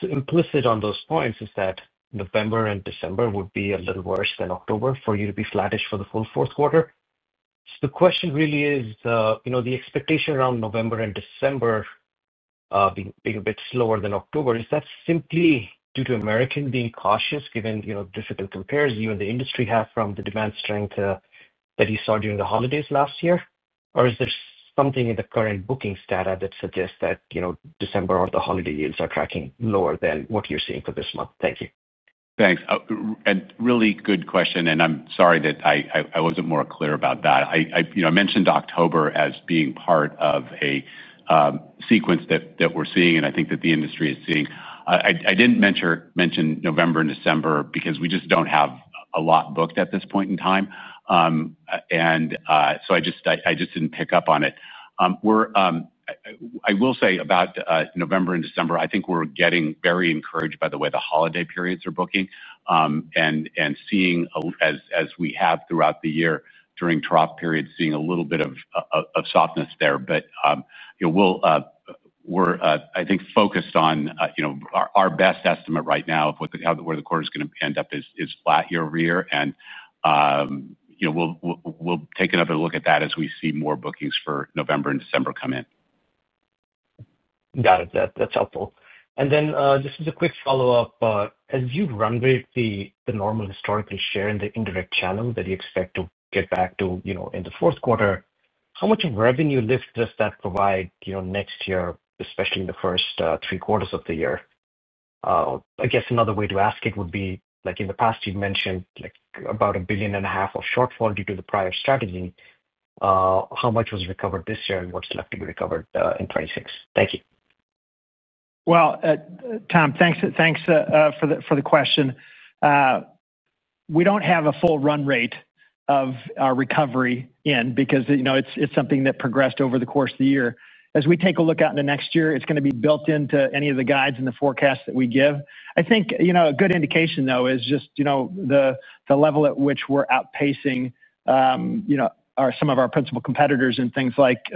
Implicit on those points is that November and December would be a little worse than October for you to be flattish for the full fourth quarter. The question really is, the expectation around November and December being a bit slower than October, is that simply due to American being cautious, given the difficult comparison you and the industry have from the demand strength that you saw during the holidays last year? Is there something in the current booking data that suggests that December or the holiday yields are tracking lower than what you're seeing for this month? Thank you. Thanks. Really good question. I'm sorry that I wasn't more clear about that. I mentioned October as being part of a sequence that we're seeing and I think that the industry is seeing. I didn't mention November and December because we just don't have a lot booked at this point in time, so I just didn't pick up on it. I will say about November and December, I think we're getting very encouraged by the way the holiday periods are booking and seeing, as we have throughout the year during trough periods, a little bit of softness there. We're focused on our best estimate right now of where the quarter's going to end up, which is flat year-over-year. We'll take another look at that as we see more bookings for November and December come in. Got it. That's helpful. Just as a quick follow-up, as you run rate the normal historically share in the indirect channel that you expect to get back to in the fourth quarter, how much revenue lift does that provide next year, especially in the first three quarters of the year? I guess another way to ask it would be, like in the past, you mentioned about $1.5 billion of shortfall due to the prior strategy. How much was recovered this year and what's left to be recovered in 2026? Thank you. Thank you for the question. We don't have a full run rate of recovery in because it's something that progressed over the course of the year. As we take a look out in the next year, it's going to be built into any of the guides and the forecasts that we give. I think a good indication, though, is just the level at which we're outpacing some of our principal competitors in things like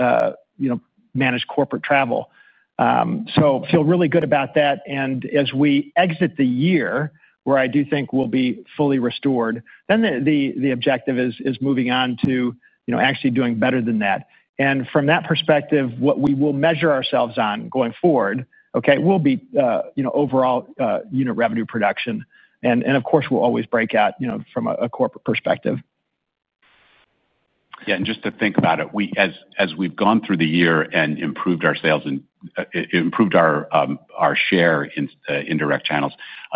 managed corporate travel. I feel really good about that. As we exit the year where I do think we'll be fully restored, the objective is moving on to actually doing better than that. From that perspective, what we will measure ourselves on going forward will be overall unit revenue production. Of course, we'll always break out from a corporate perspective. As we've gone through the year and improved our sales and improved our share in indirect channels,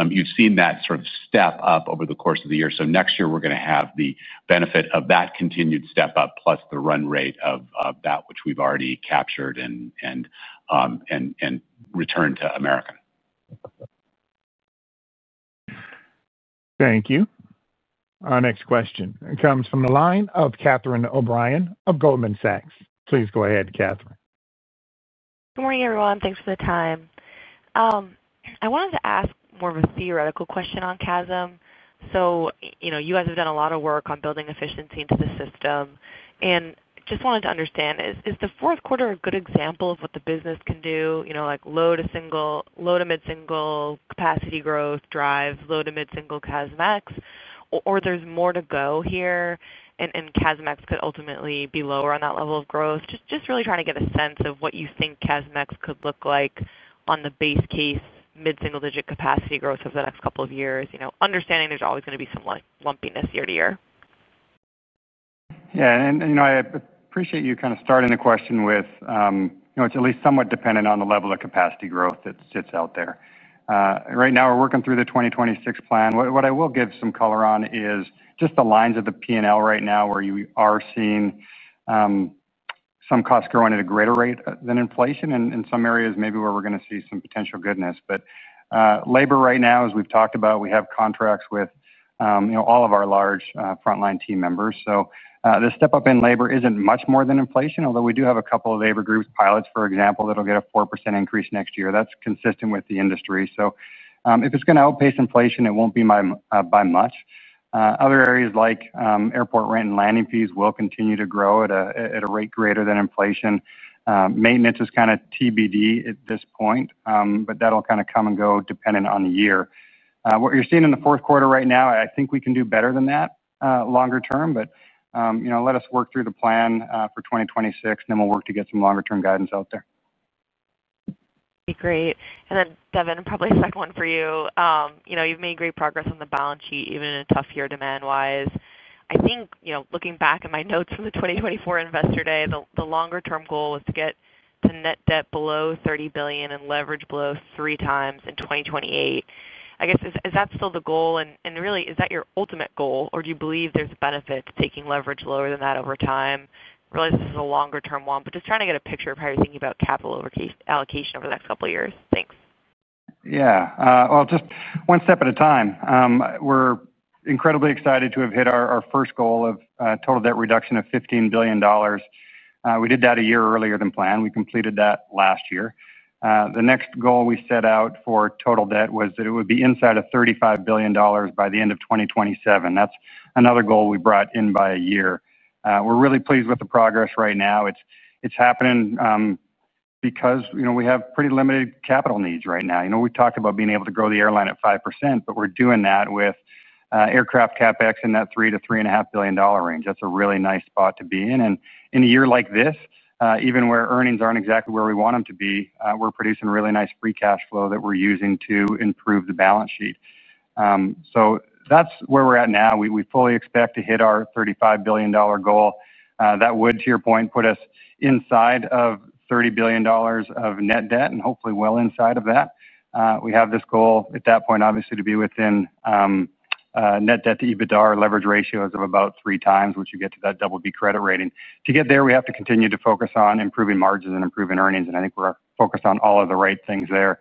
you've seen that sort of step up over the course of the year. Next year, we're going to have the benefit of that continued step up plus the run rate of that, which we've already captured and returned to American. Thank you. Our next question comes from the line of Catherine O'Brien of Goldman Sachs. Please go ahead, Catherine. Good morning, everyone. Thanks for the time. I wanted to ask more of a theoretical question on CASM. You guys have done a lot of work on building efficiency into the system. I just wanted to understand, is the fourth quarter a good example of what the business can do, like low to mid-single capacity growth drive low to mid-single CASMx? Or is there more to go here? CASMx could ultimately be lower on that level of growth. I'm just really trying to get a sense of what you think CASMx could look like on the base case mid-single-digit capacity growth over the next couple of years, understanding there's always going to be some lumpiness year to year. Yeah. I appreciate you kind of starting the question with it's at least somewhat dependent on the level of capacity growth that sits out there. Right now, we're working through the 2026 plan. What I will give some color on is just the lines of the P&L right now where you are seeing some costs growing at a greater rate than inflation and in some areas maybe where we're going to see some potential goodness. Labor right now, as we've talked about, we have contracts with all of our large frontline team members. The step up in labor isn't much more than inflation, although we do have a couple of labor groups, Pilots, for example, that will get a 4% increase next year. That's consistent with the industry. If it's going to outpace inflation, it won't be by much. Other areas like airport rent and landing fees will continue to grow at a rate greater than inflation. Maintenance is kind of TBD at this point. That'll kind of come and go depending on the year. What you're seeing in the fourth quarter right now, I think we can do better than that longer term. Let us work through the plan for 2026, and then we'll work to get some longer-term guidance out there. Great. Devon, probably a second one for you. You've made great progress on the balance sheet, even in a tough year demand-wise. I think looking back at my notes from the 2024 Investor Day, the longer-term goal was to get to net debt below $30 billion and leverage below 3x in 2028. Is that still the goal? Really, is that your ultimate goal? Do you believe there's benefit to taking leverage lower than that over time? This is a longer-term one. Just trying to get a picture of how you're thinking about capital allocation over the next couple of years. Thanks. Yeah. Just one step at a time. We're incredibly excited to have hit our first goal of total debt reduction of $15 billion. We did that a year earlier than planned. We completed that last year. The next goal we set out for total debt was that it would be inside of $35 billion by the end of 2027. That's another goal we brought in by a year. We're really pleased with the progress right now. It's happening because we have pretty limited capital needs right now. We talked about being able to grow the airline at 5%. We're doing that with aircraft CapEx in that $3 billion-$3.5 billion range. That's a really nice spot to be in. In a year like this, even where earnings aren't exactly where we want them to be, we're producing really nice free cash flow that we're using to improve the balance sheet. That's where we're at now. We fully expect to hit our $35 billion goal. That would, to your point, put us inside of $30 billion of net debt and hopefully well inside of that. We have this goal at that point, obviously, to be within net debt to EBITDA or leverage ratios of about 3x, which you get to that double B credit rating. To get there, we have to continue to focus on improving margins and improving earnings. I think we're focused on all of the right things there.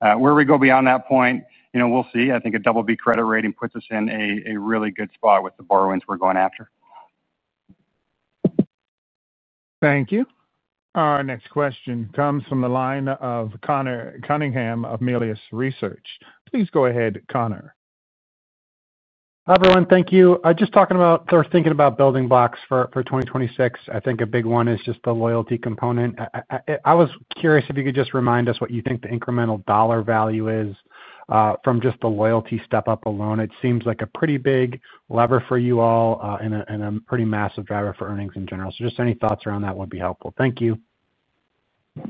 Where we go beyond that point, we'll see. I think a double B credit rating puts us in a really good spot with the borrowings we're going after. Thank you. Our next question comes from the line of Conor Cunningham of Melius Research. Please go ahead, Connor. Hi, everyone. Thank you. Just thinking about building blocks for 2026, I think a big one is just the loyalty component. I was curious if you could just remind us what you think the incremental dollar value is from just the loyalty step up alone. It seems like a pretty big lever for you all and a pretty massive driver for earnings in general. Any thoughts around that would be helpful. Thank you.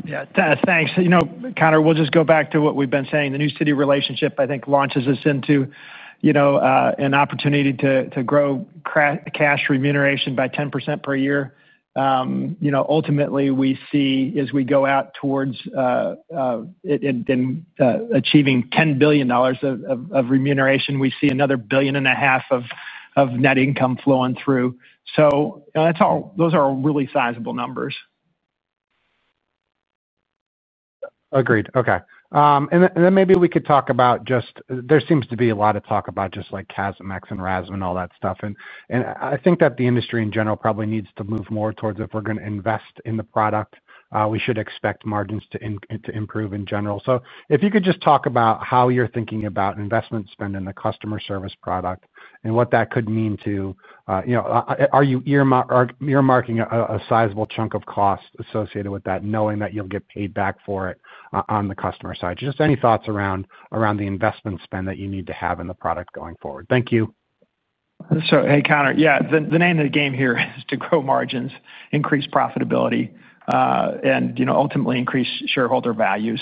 Yeah, thanks. Conor, we'll just go back to what we've been saying. The new Citi relationship, I think, launches us into an opportunity to grow cash remuneration by 10% per year. Ultimately, we see, as we go out towards achieving $10 billion of remuneration, we see another $1.5 billion of net income flowing through. Those are really sizable numbers. Agreed. OK. Maybe we could talk about just there seems to be a lot of talk about just like CASMx and RASM and all that stuff. I think that the industry in general probably needs to move more towards if we're going to invest in the product, we should expect margins to improve in general. If you could just talk about how you're thinking about investment spend in the customer service product and what that could mean to are you earmarking a sizable chunk of cost associated with that, knowing that you'll get paid back for it on the customer side? Any thoughts around the investment spend that you need to have in the product going forward. Thank you. Hey, Connor. Yeah, the name of the game here is to grow margins, increase profitability, and ultimately increase shareholder value.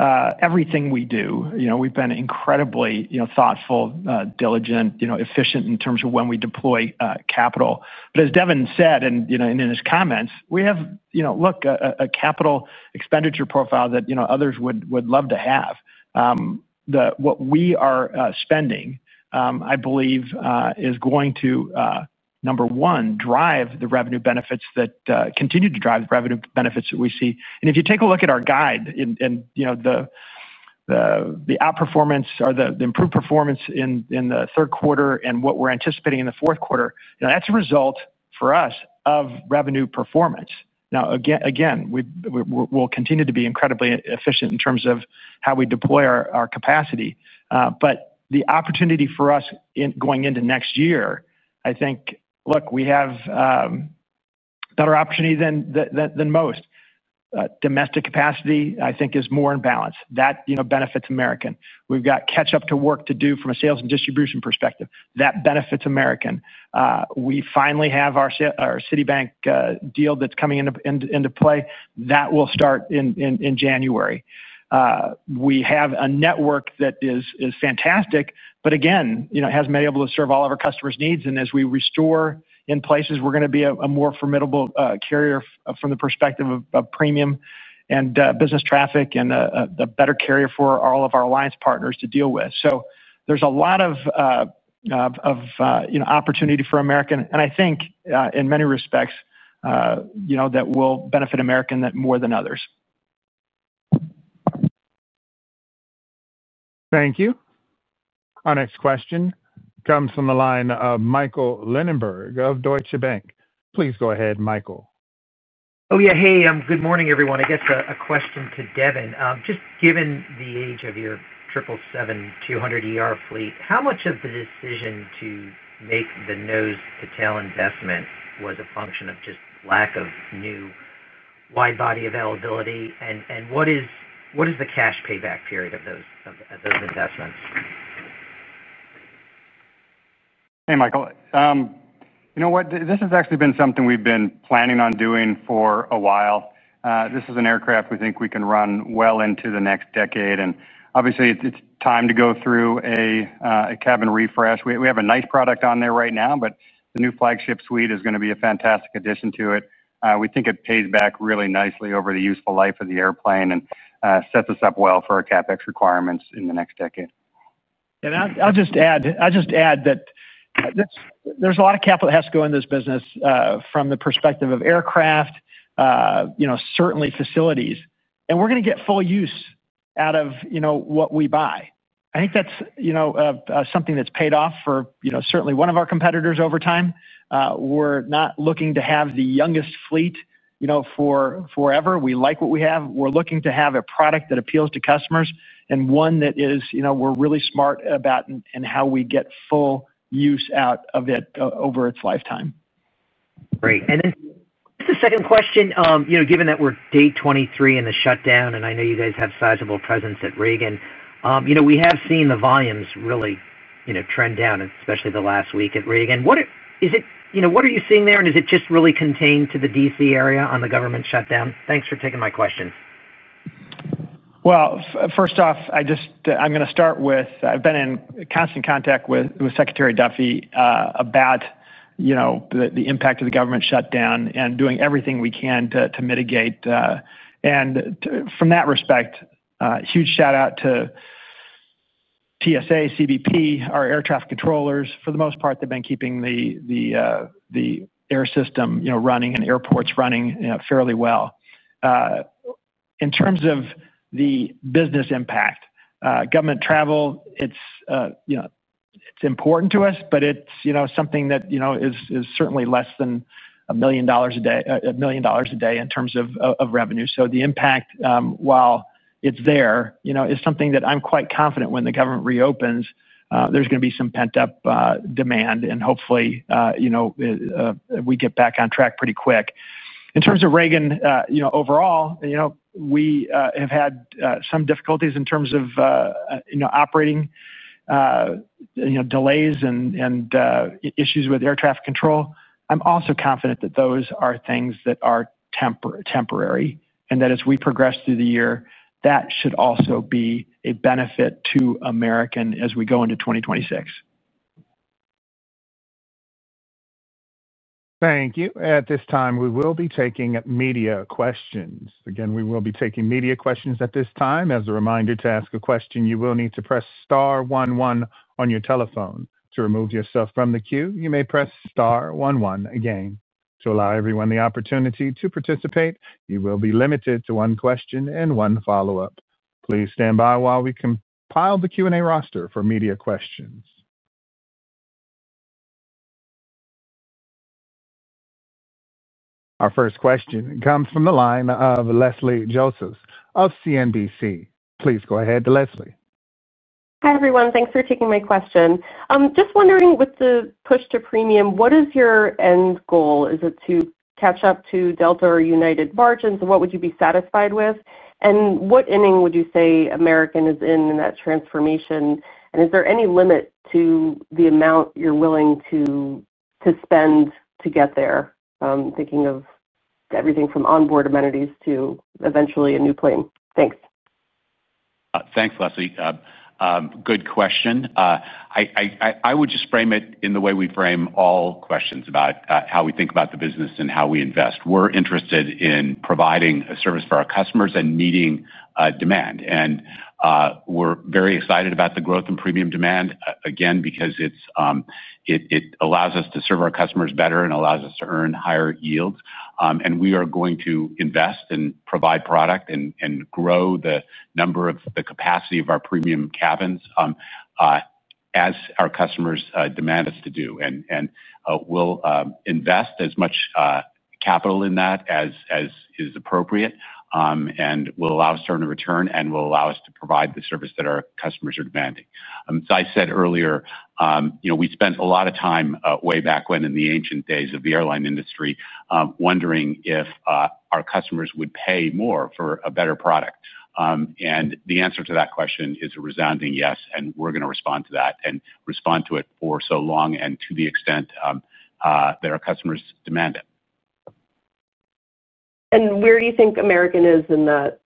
Everything we do, we've been incredibly thoughtful, diligent, efficient in terms of when we deploy capital. As Devon said in his comments, we have a capital expenditure profile that others would love to have. What we are spending, I believe, is going to, number one, drive the revenue benefits that continue to drive the revenue benefits that we see. If you take a look at our guide and the outperformance or the improved performance in the third quarter and what we're anticipating in the fourth quarter, that's a result for us of revenue performance. We'll continue to be incredibly efficient in terms of how we deploy our capacity. The opportunity for us going into next year, I think, we have a better opportunity than most. Domestic capacity, I think, is more in balance. That benefits American. We've got catch-up work to do from a sales and distribution perspective. That benefits American. We finally have our Citi deal that's coming into play. That will start in January. We have a network that is fantastic. It hasn't been able to serve all of our customers' needs. As we restore in places, we're going to be a more formidable carrier from the perspective of premium and business traffic and a better carrier for all of our Alliance partners to deal with. There's a lot of opportunity for American. I think, in many respects, that will benefit American more than others. Thank you. Our next question comes from the line of Michael Linenberg of Deutsche Bank. Please go ahead, Michael. Oh, yeah. Good morning, everyone. I guess a question to Devon. Just given the age of your 777-200 fleet, how much of the decision to make the nose-to-tail investment was a function of just lack of new wide-body availability? What is the cash payback period of those investments? Hey, Michael. You know what? This has actually been something we've been planning on doing for a while. This is an aircraft we think we can run well into the next decade. Obviously, it's time to go through a cabin refresh. We have a nice product on there right now, but the new flagship suite is going to be a fantastic addition to it. We think it pays back really nicely over the useful life of the airplane and sets us up well for our CapEx requirements in the next decade. I'll just add that there's a lot of capital that has to go into this business from the perspective of aircraft, certainly facilities. We're going to get full use out of what we buy. I think that's something that's paid off for certainly one of our competitors over time. We're not looking to have the youngest fleet forever. We like what we have. We're looking to have a product that appeals to customers and one that we're really smart about and how we get full use out of it over its lifetime. Great. Just a second question, given that we're day 23 in the shutdown and I know you guys have sizable presence at Reagan. We have seen the volumes really trend down, especially the last week at Reagan. What are you seeing there? Is it just really contained to the DC area on the government shutdown? Thanks for taking my question. I'm going to start with I've been in constant contact with Secretary Duffy about the impact of the government shutdown and doing everything we can to mitigate. From that respect, huge shout out to TSA, CBP, our air traffic controllers. For the most part, they've been keeping the air system running and airports running fairly well. In terms of the business impact, government travel, it's important to us. It's something that is certainly less than $1 million a day in terms of revenue. The impact, while it's there, is something that I'm quite confident when the government reopens, there's going to be some pent-up demand. Hopefully, we get back on track pretty quick. In terms of Reagan overall, we have had some difficulties in terms of operating delays and issues with air traffic control. I'm also confident that those are things that are temporary and that as we progress through the year, that should also be a benefit to American as we go into 2026. Thank you. At this time, we will be taking media questions. Again, we will be taking media questions at this time. As a reminder, to ask a question, you will need to press star one one on your telephone. To remove yourself from the queue, you may press star one one again. To allow everyone the opportunity to participate, you will be limited to one question and one follow-up. Please stand by while we compile the Q&A roster for media questions. Our first question comes from the line of Leslie Josephs of CNBC. Please go ahead, Leslie. Hi, everyone. Thanks for taking my question. Just wondering, with the push to premium, what is your end goal? Is it to catch up to Delta or United margins? What would you be satisfied with? What inning would you say American is in in that transformation? Is there any limit to the amount you're willing to spend to get there? I'm thinking of everything from onboard amenities to eventually a new plane. Thanks. Thanks, Leslie. Good question. I would just frame it in the way we frame all questions about how we think about the business and how we invest. We're interested in providing a service for our customers and meeting demand. We're very excited about the growth in premium demand, again, because it allows us to serve our customers better and allows us to earn higher yields. We are going to invest and provide product and grow the number of the capacity of our premium cabins as our customers demand us to do. We'll invest as much capital in that as is appropriate. We'll allow us to earn a return. We'll allow us to provide the service that our customers are demanding. As I said earlier, we spent a lot of time way back when in the ancient days of the airline industry wondering if our customers would pay more for a better product. The answer to that question is a resounding yes. We're going to respond to that and respond to it for so long and to the extent that our customers demand it. Where do you think American is in that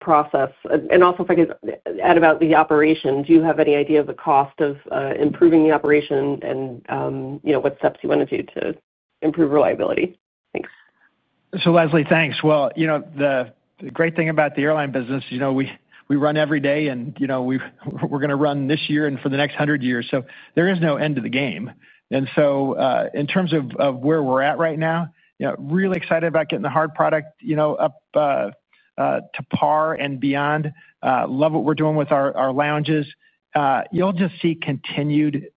process? Also, if I could add about the operation, do you have any idea of the cost of improving the operation and what steps you want to do to improve reliability? Thanks. Leslie, thanks. You know the great thing about the airline business is we run every day. We're going to run this year and for the next 100 years. There is no end to the game. In terms of where we're at right now, really excited about getting the hard product up to par and beyond. Love what we're doing with our lounges. You'll just see continued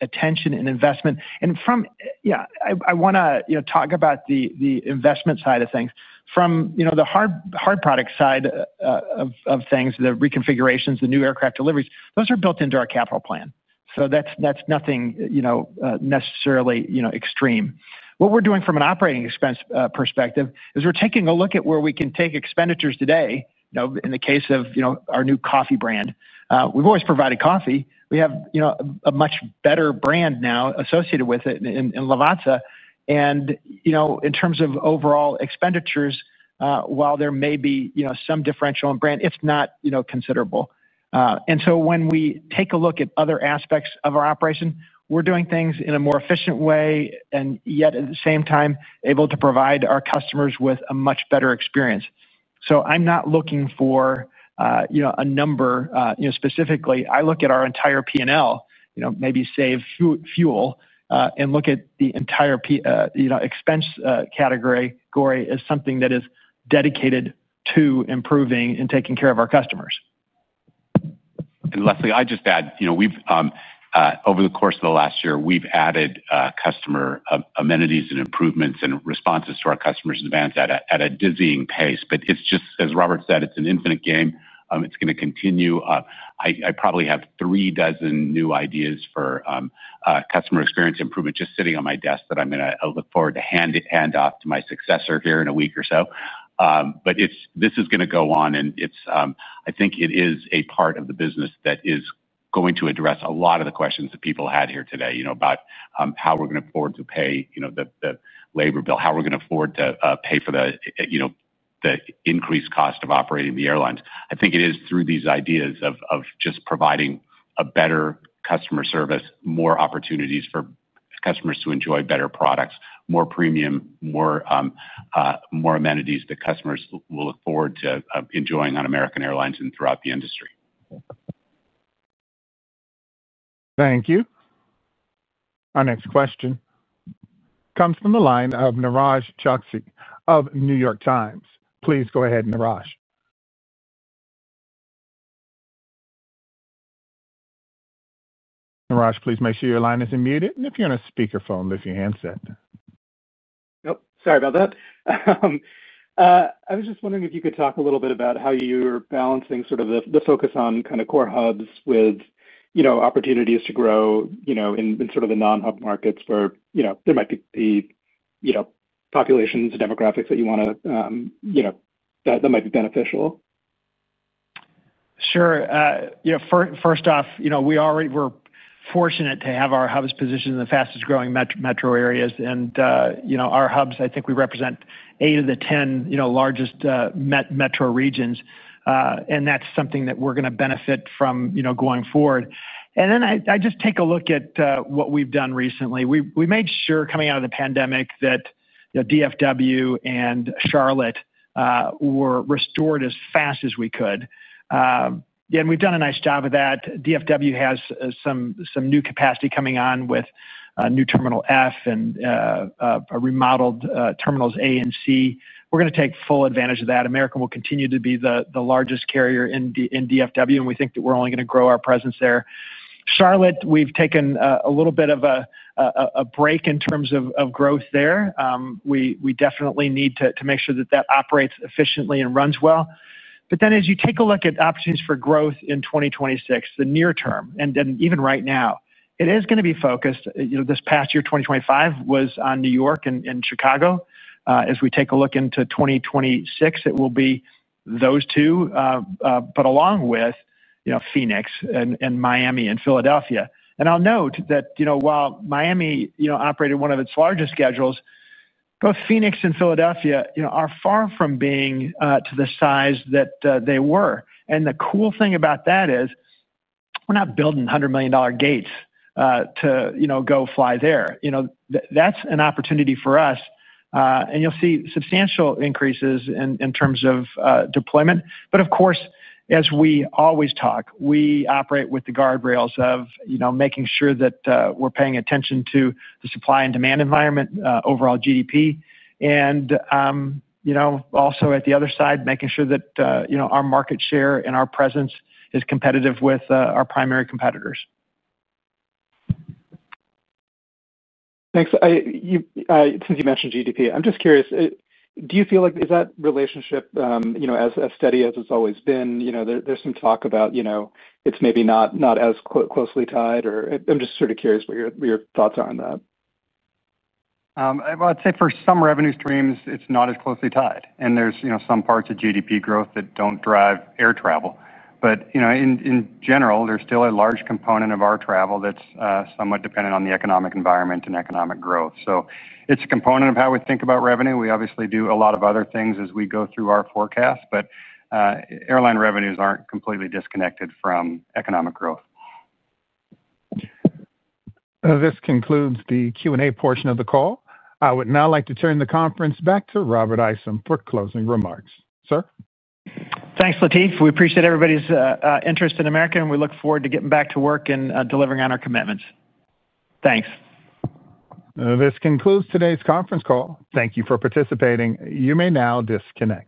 attention and investment. I want to talk about the investment side of things. From the hard product side of things, the reconfigurations, the new aircraft deliveries, those are built into our capital plan. That's nothing necessarily extreme. What we're doing from an operating expense perspective is we're taking a look at where we can take expenditures today. In the case of our new coffee brand, we've always provided coffee. We have a much better brand now associated with it in Lavazza. In terms of overall expenditures, while there may be some differential in brand, it's not considerable. When we take a look at other aspects of our operation, we're doing things in a more efficient way and yet at the same time able to provide our customers with a much better experience. I'm not looking for a number specifically. I look at our entire P&L, maybe save fuel, and look at the entire expense category as something that is dedicated to improving and taking care of our customers. Leslie, I'd just add, over the course of the last year, we've added customer amenities and improvements and responses to our customers' demands at a dizzying pace. As Robert said, it's an infinite game. It's going to continue. I probably have three dozen new ideas for customer experience improvement just sitting on my desk that I'm going to look forward to handing off to my successor here in a week or so. This is going to go on. I think it is a part of the business that is going to address a lot of the questions that people had here today about how we're going to afford to pay the labor bill, how we're going to afford to pay for the increased cost of operating the airlines. I think it is through these ideas of just providing a better customer service, more opportunities for customers to enjoy better products, more premium, more amenities that customers will look forward to enjoying on American Airlines and throughout the industry. Thank you. Our next question comes from the line of Niraj Chokshi of New York Times. Please go ahead, Niraj. Niraj, please make sure your line is unmuted. If you're on a speakerphone, lift your handset. Sorry about that. I was just wondering if you could talk a little bit about how you're balancing sort of the focus on kind of core hubs with opportunities to grow in sort of the non-hub markets where there might be populations and demographics that you want to that might be beneficial. Sure. First off, we're fortunate to have our hubs positioned in the fastest growing metro areas. Our Hubs, I think we represent eight of the 10 largest metro regions, and that's something that we're going to benefit from going forward. I just take a look at what we've done recently. We made sure, coming out of the pandemic, that DFW and Charlotte were restored as fast as we could. We've done a nice job of that. DFW has some new capacity coming on with new Terminal F and remodeled Terminals A and C. We're going to take full advantage of that. American will continue to be the largest carrier in DFW, and we think that we're only going to grow our presence there. Charlotte, we've taken a little bit of a break in terms of growth there. We definitely need to make sure that that operates efficiently and runs well. As you take a look at opportunities for growth in 2026, the near term, and even right now, it is going to be focused. This past year, 2025 was on New York and Chicago. As we take a look into 2026, it will be those two, but along with Phoenix and Miami and Philadelphia. I'll note that while Miami operated one of its largest schedules, both Phoenix and Philadelphia are far from being to the size that they were. The cool thing about that is we're not building $100 million gates to go fly there. That's an opportunity for us. You'll see substantial increases in terms of deployment. Of course, as we always talk, we operate with the guardrails of making sure that we're paying attention to the supply and demand environment, overall GDP, and also at the other side, making sure that our market share and our presence is competitive with our primary competitors. Thanks. Since you mentioned GDP, I'm just curious, do you feel like that relationship is as steady as it's always been? There's some talk about it's maybe not as closely tied. I'm just sort of curious what your thoughts are on that. I'd say for some revenue streams, it's not as closely tied. There are some parts of GDP growth that don't drive air travel. In general, there's still a large component of our travel that's somewhat dependent on the economic environment and economic growth. It's a component of how we think about revenue. We obviously do a lot of other things as we go through our forecast. Airline revenues aren't completely disconnected from economic growth. This concludes the Q&A portion of the call. I would now like to turn the conference back to Robert Isom for closing remarks. Sir? Thanks, Latif. We appreciate everybody's interest in American, and we look forward to getting back to work and delivering on our commitments. Thanks. This concludes today's conference call. Thank you for participating. You may now disconnect.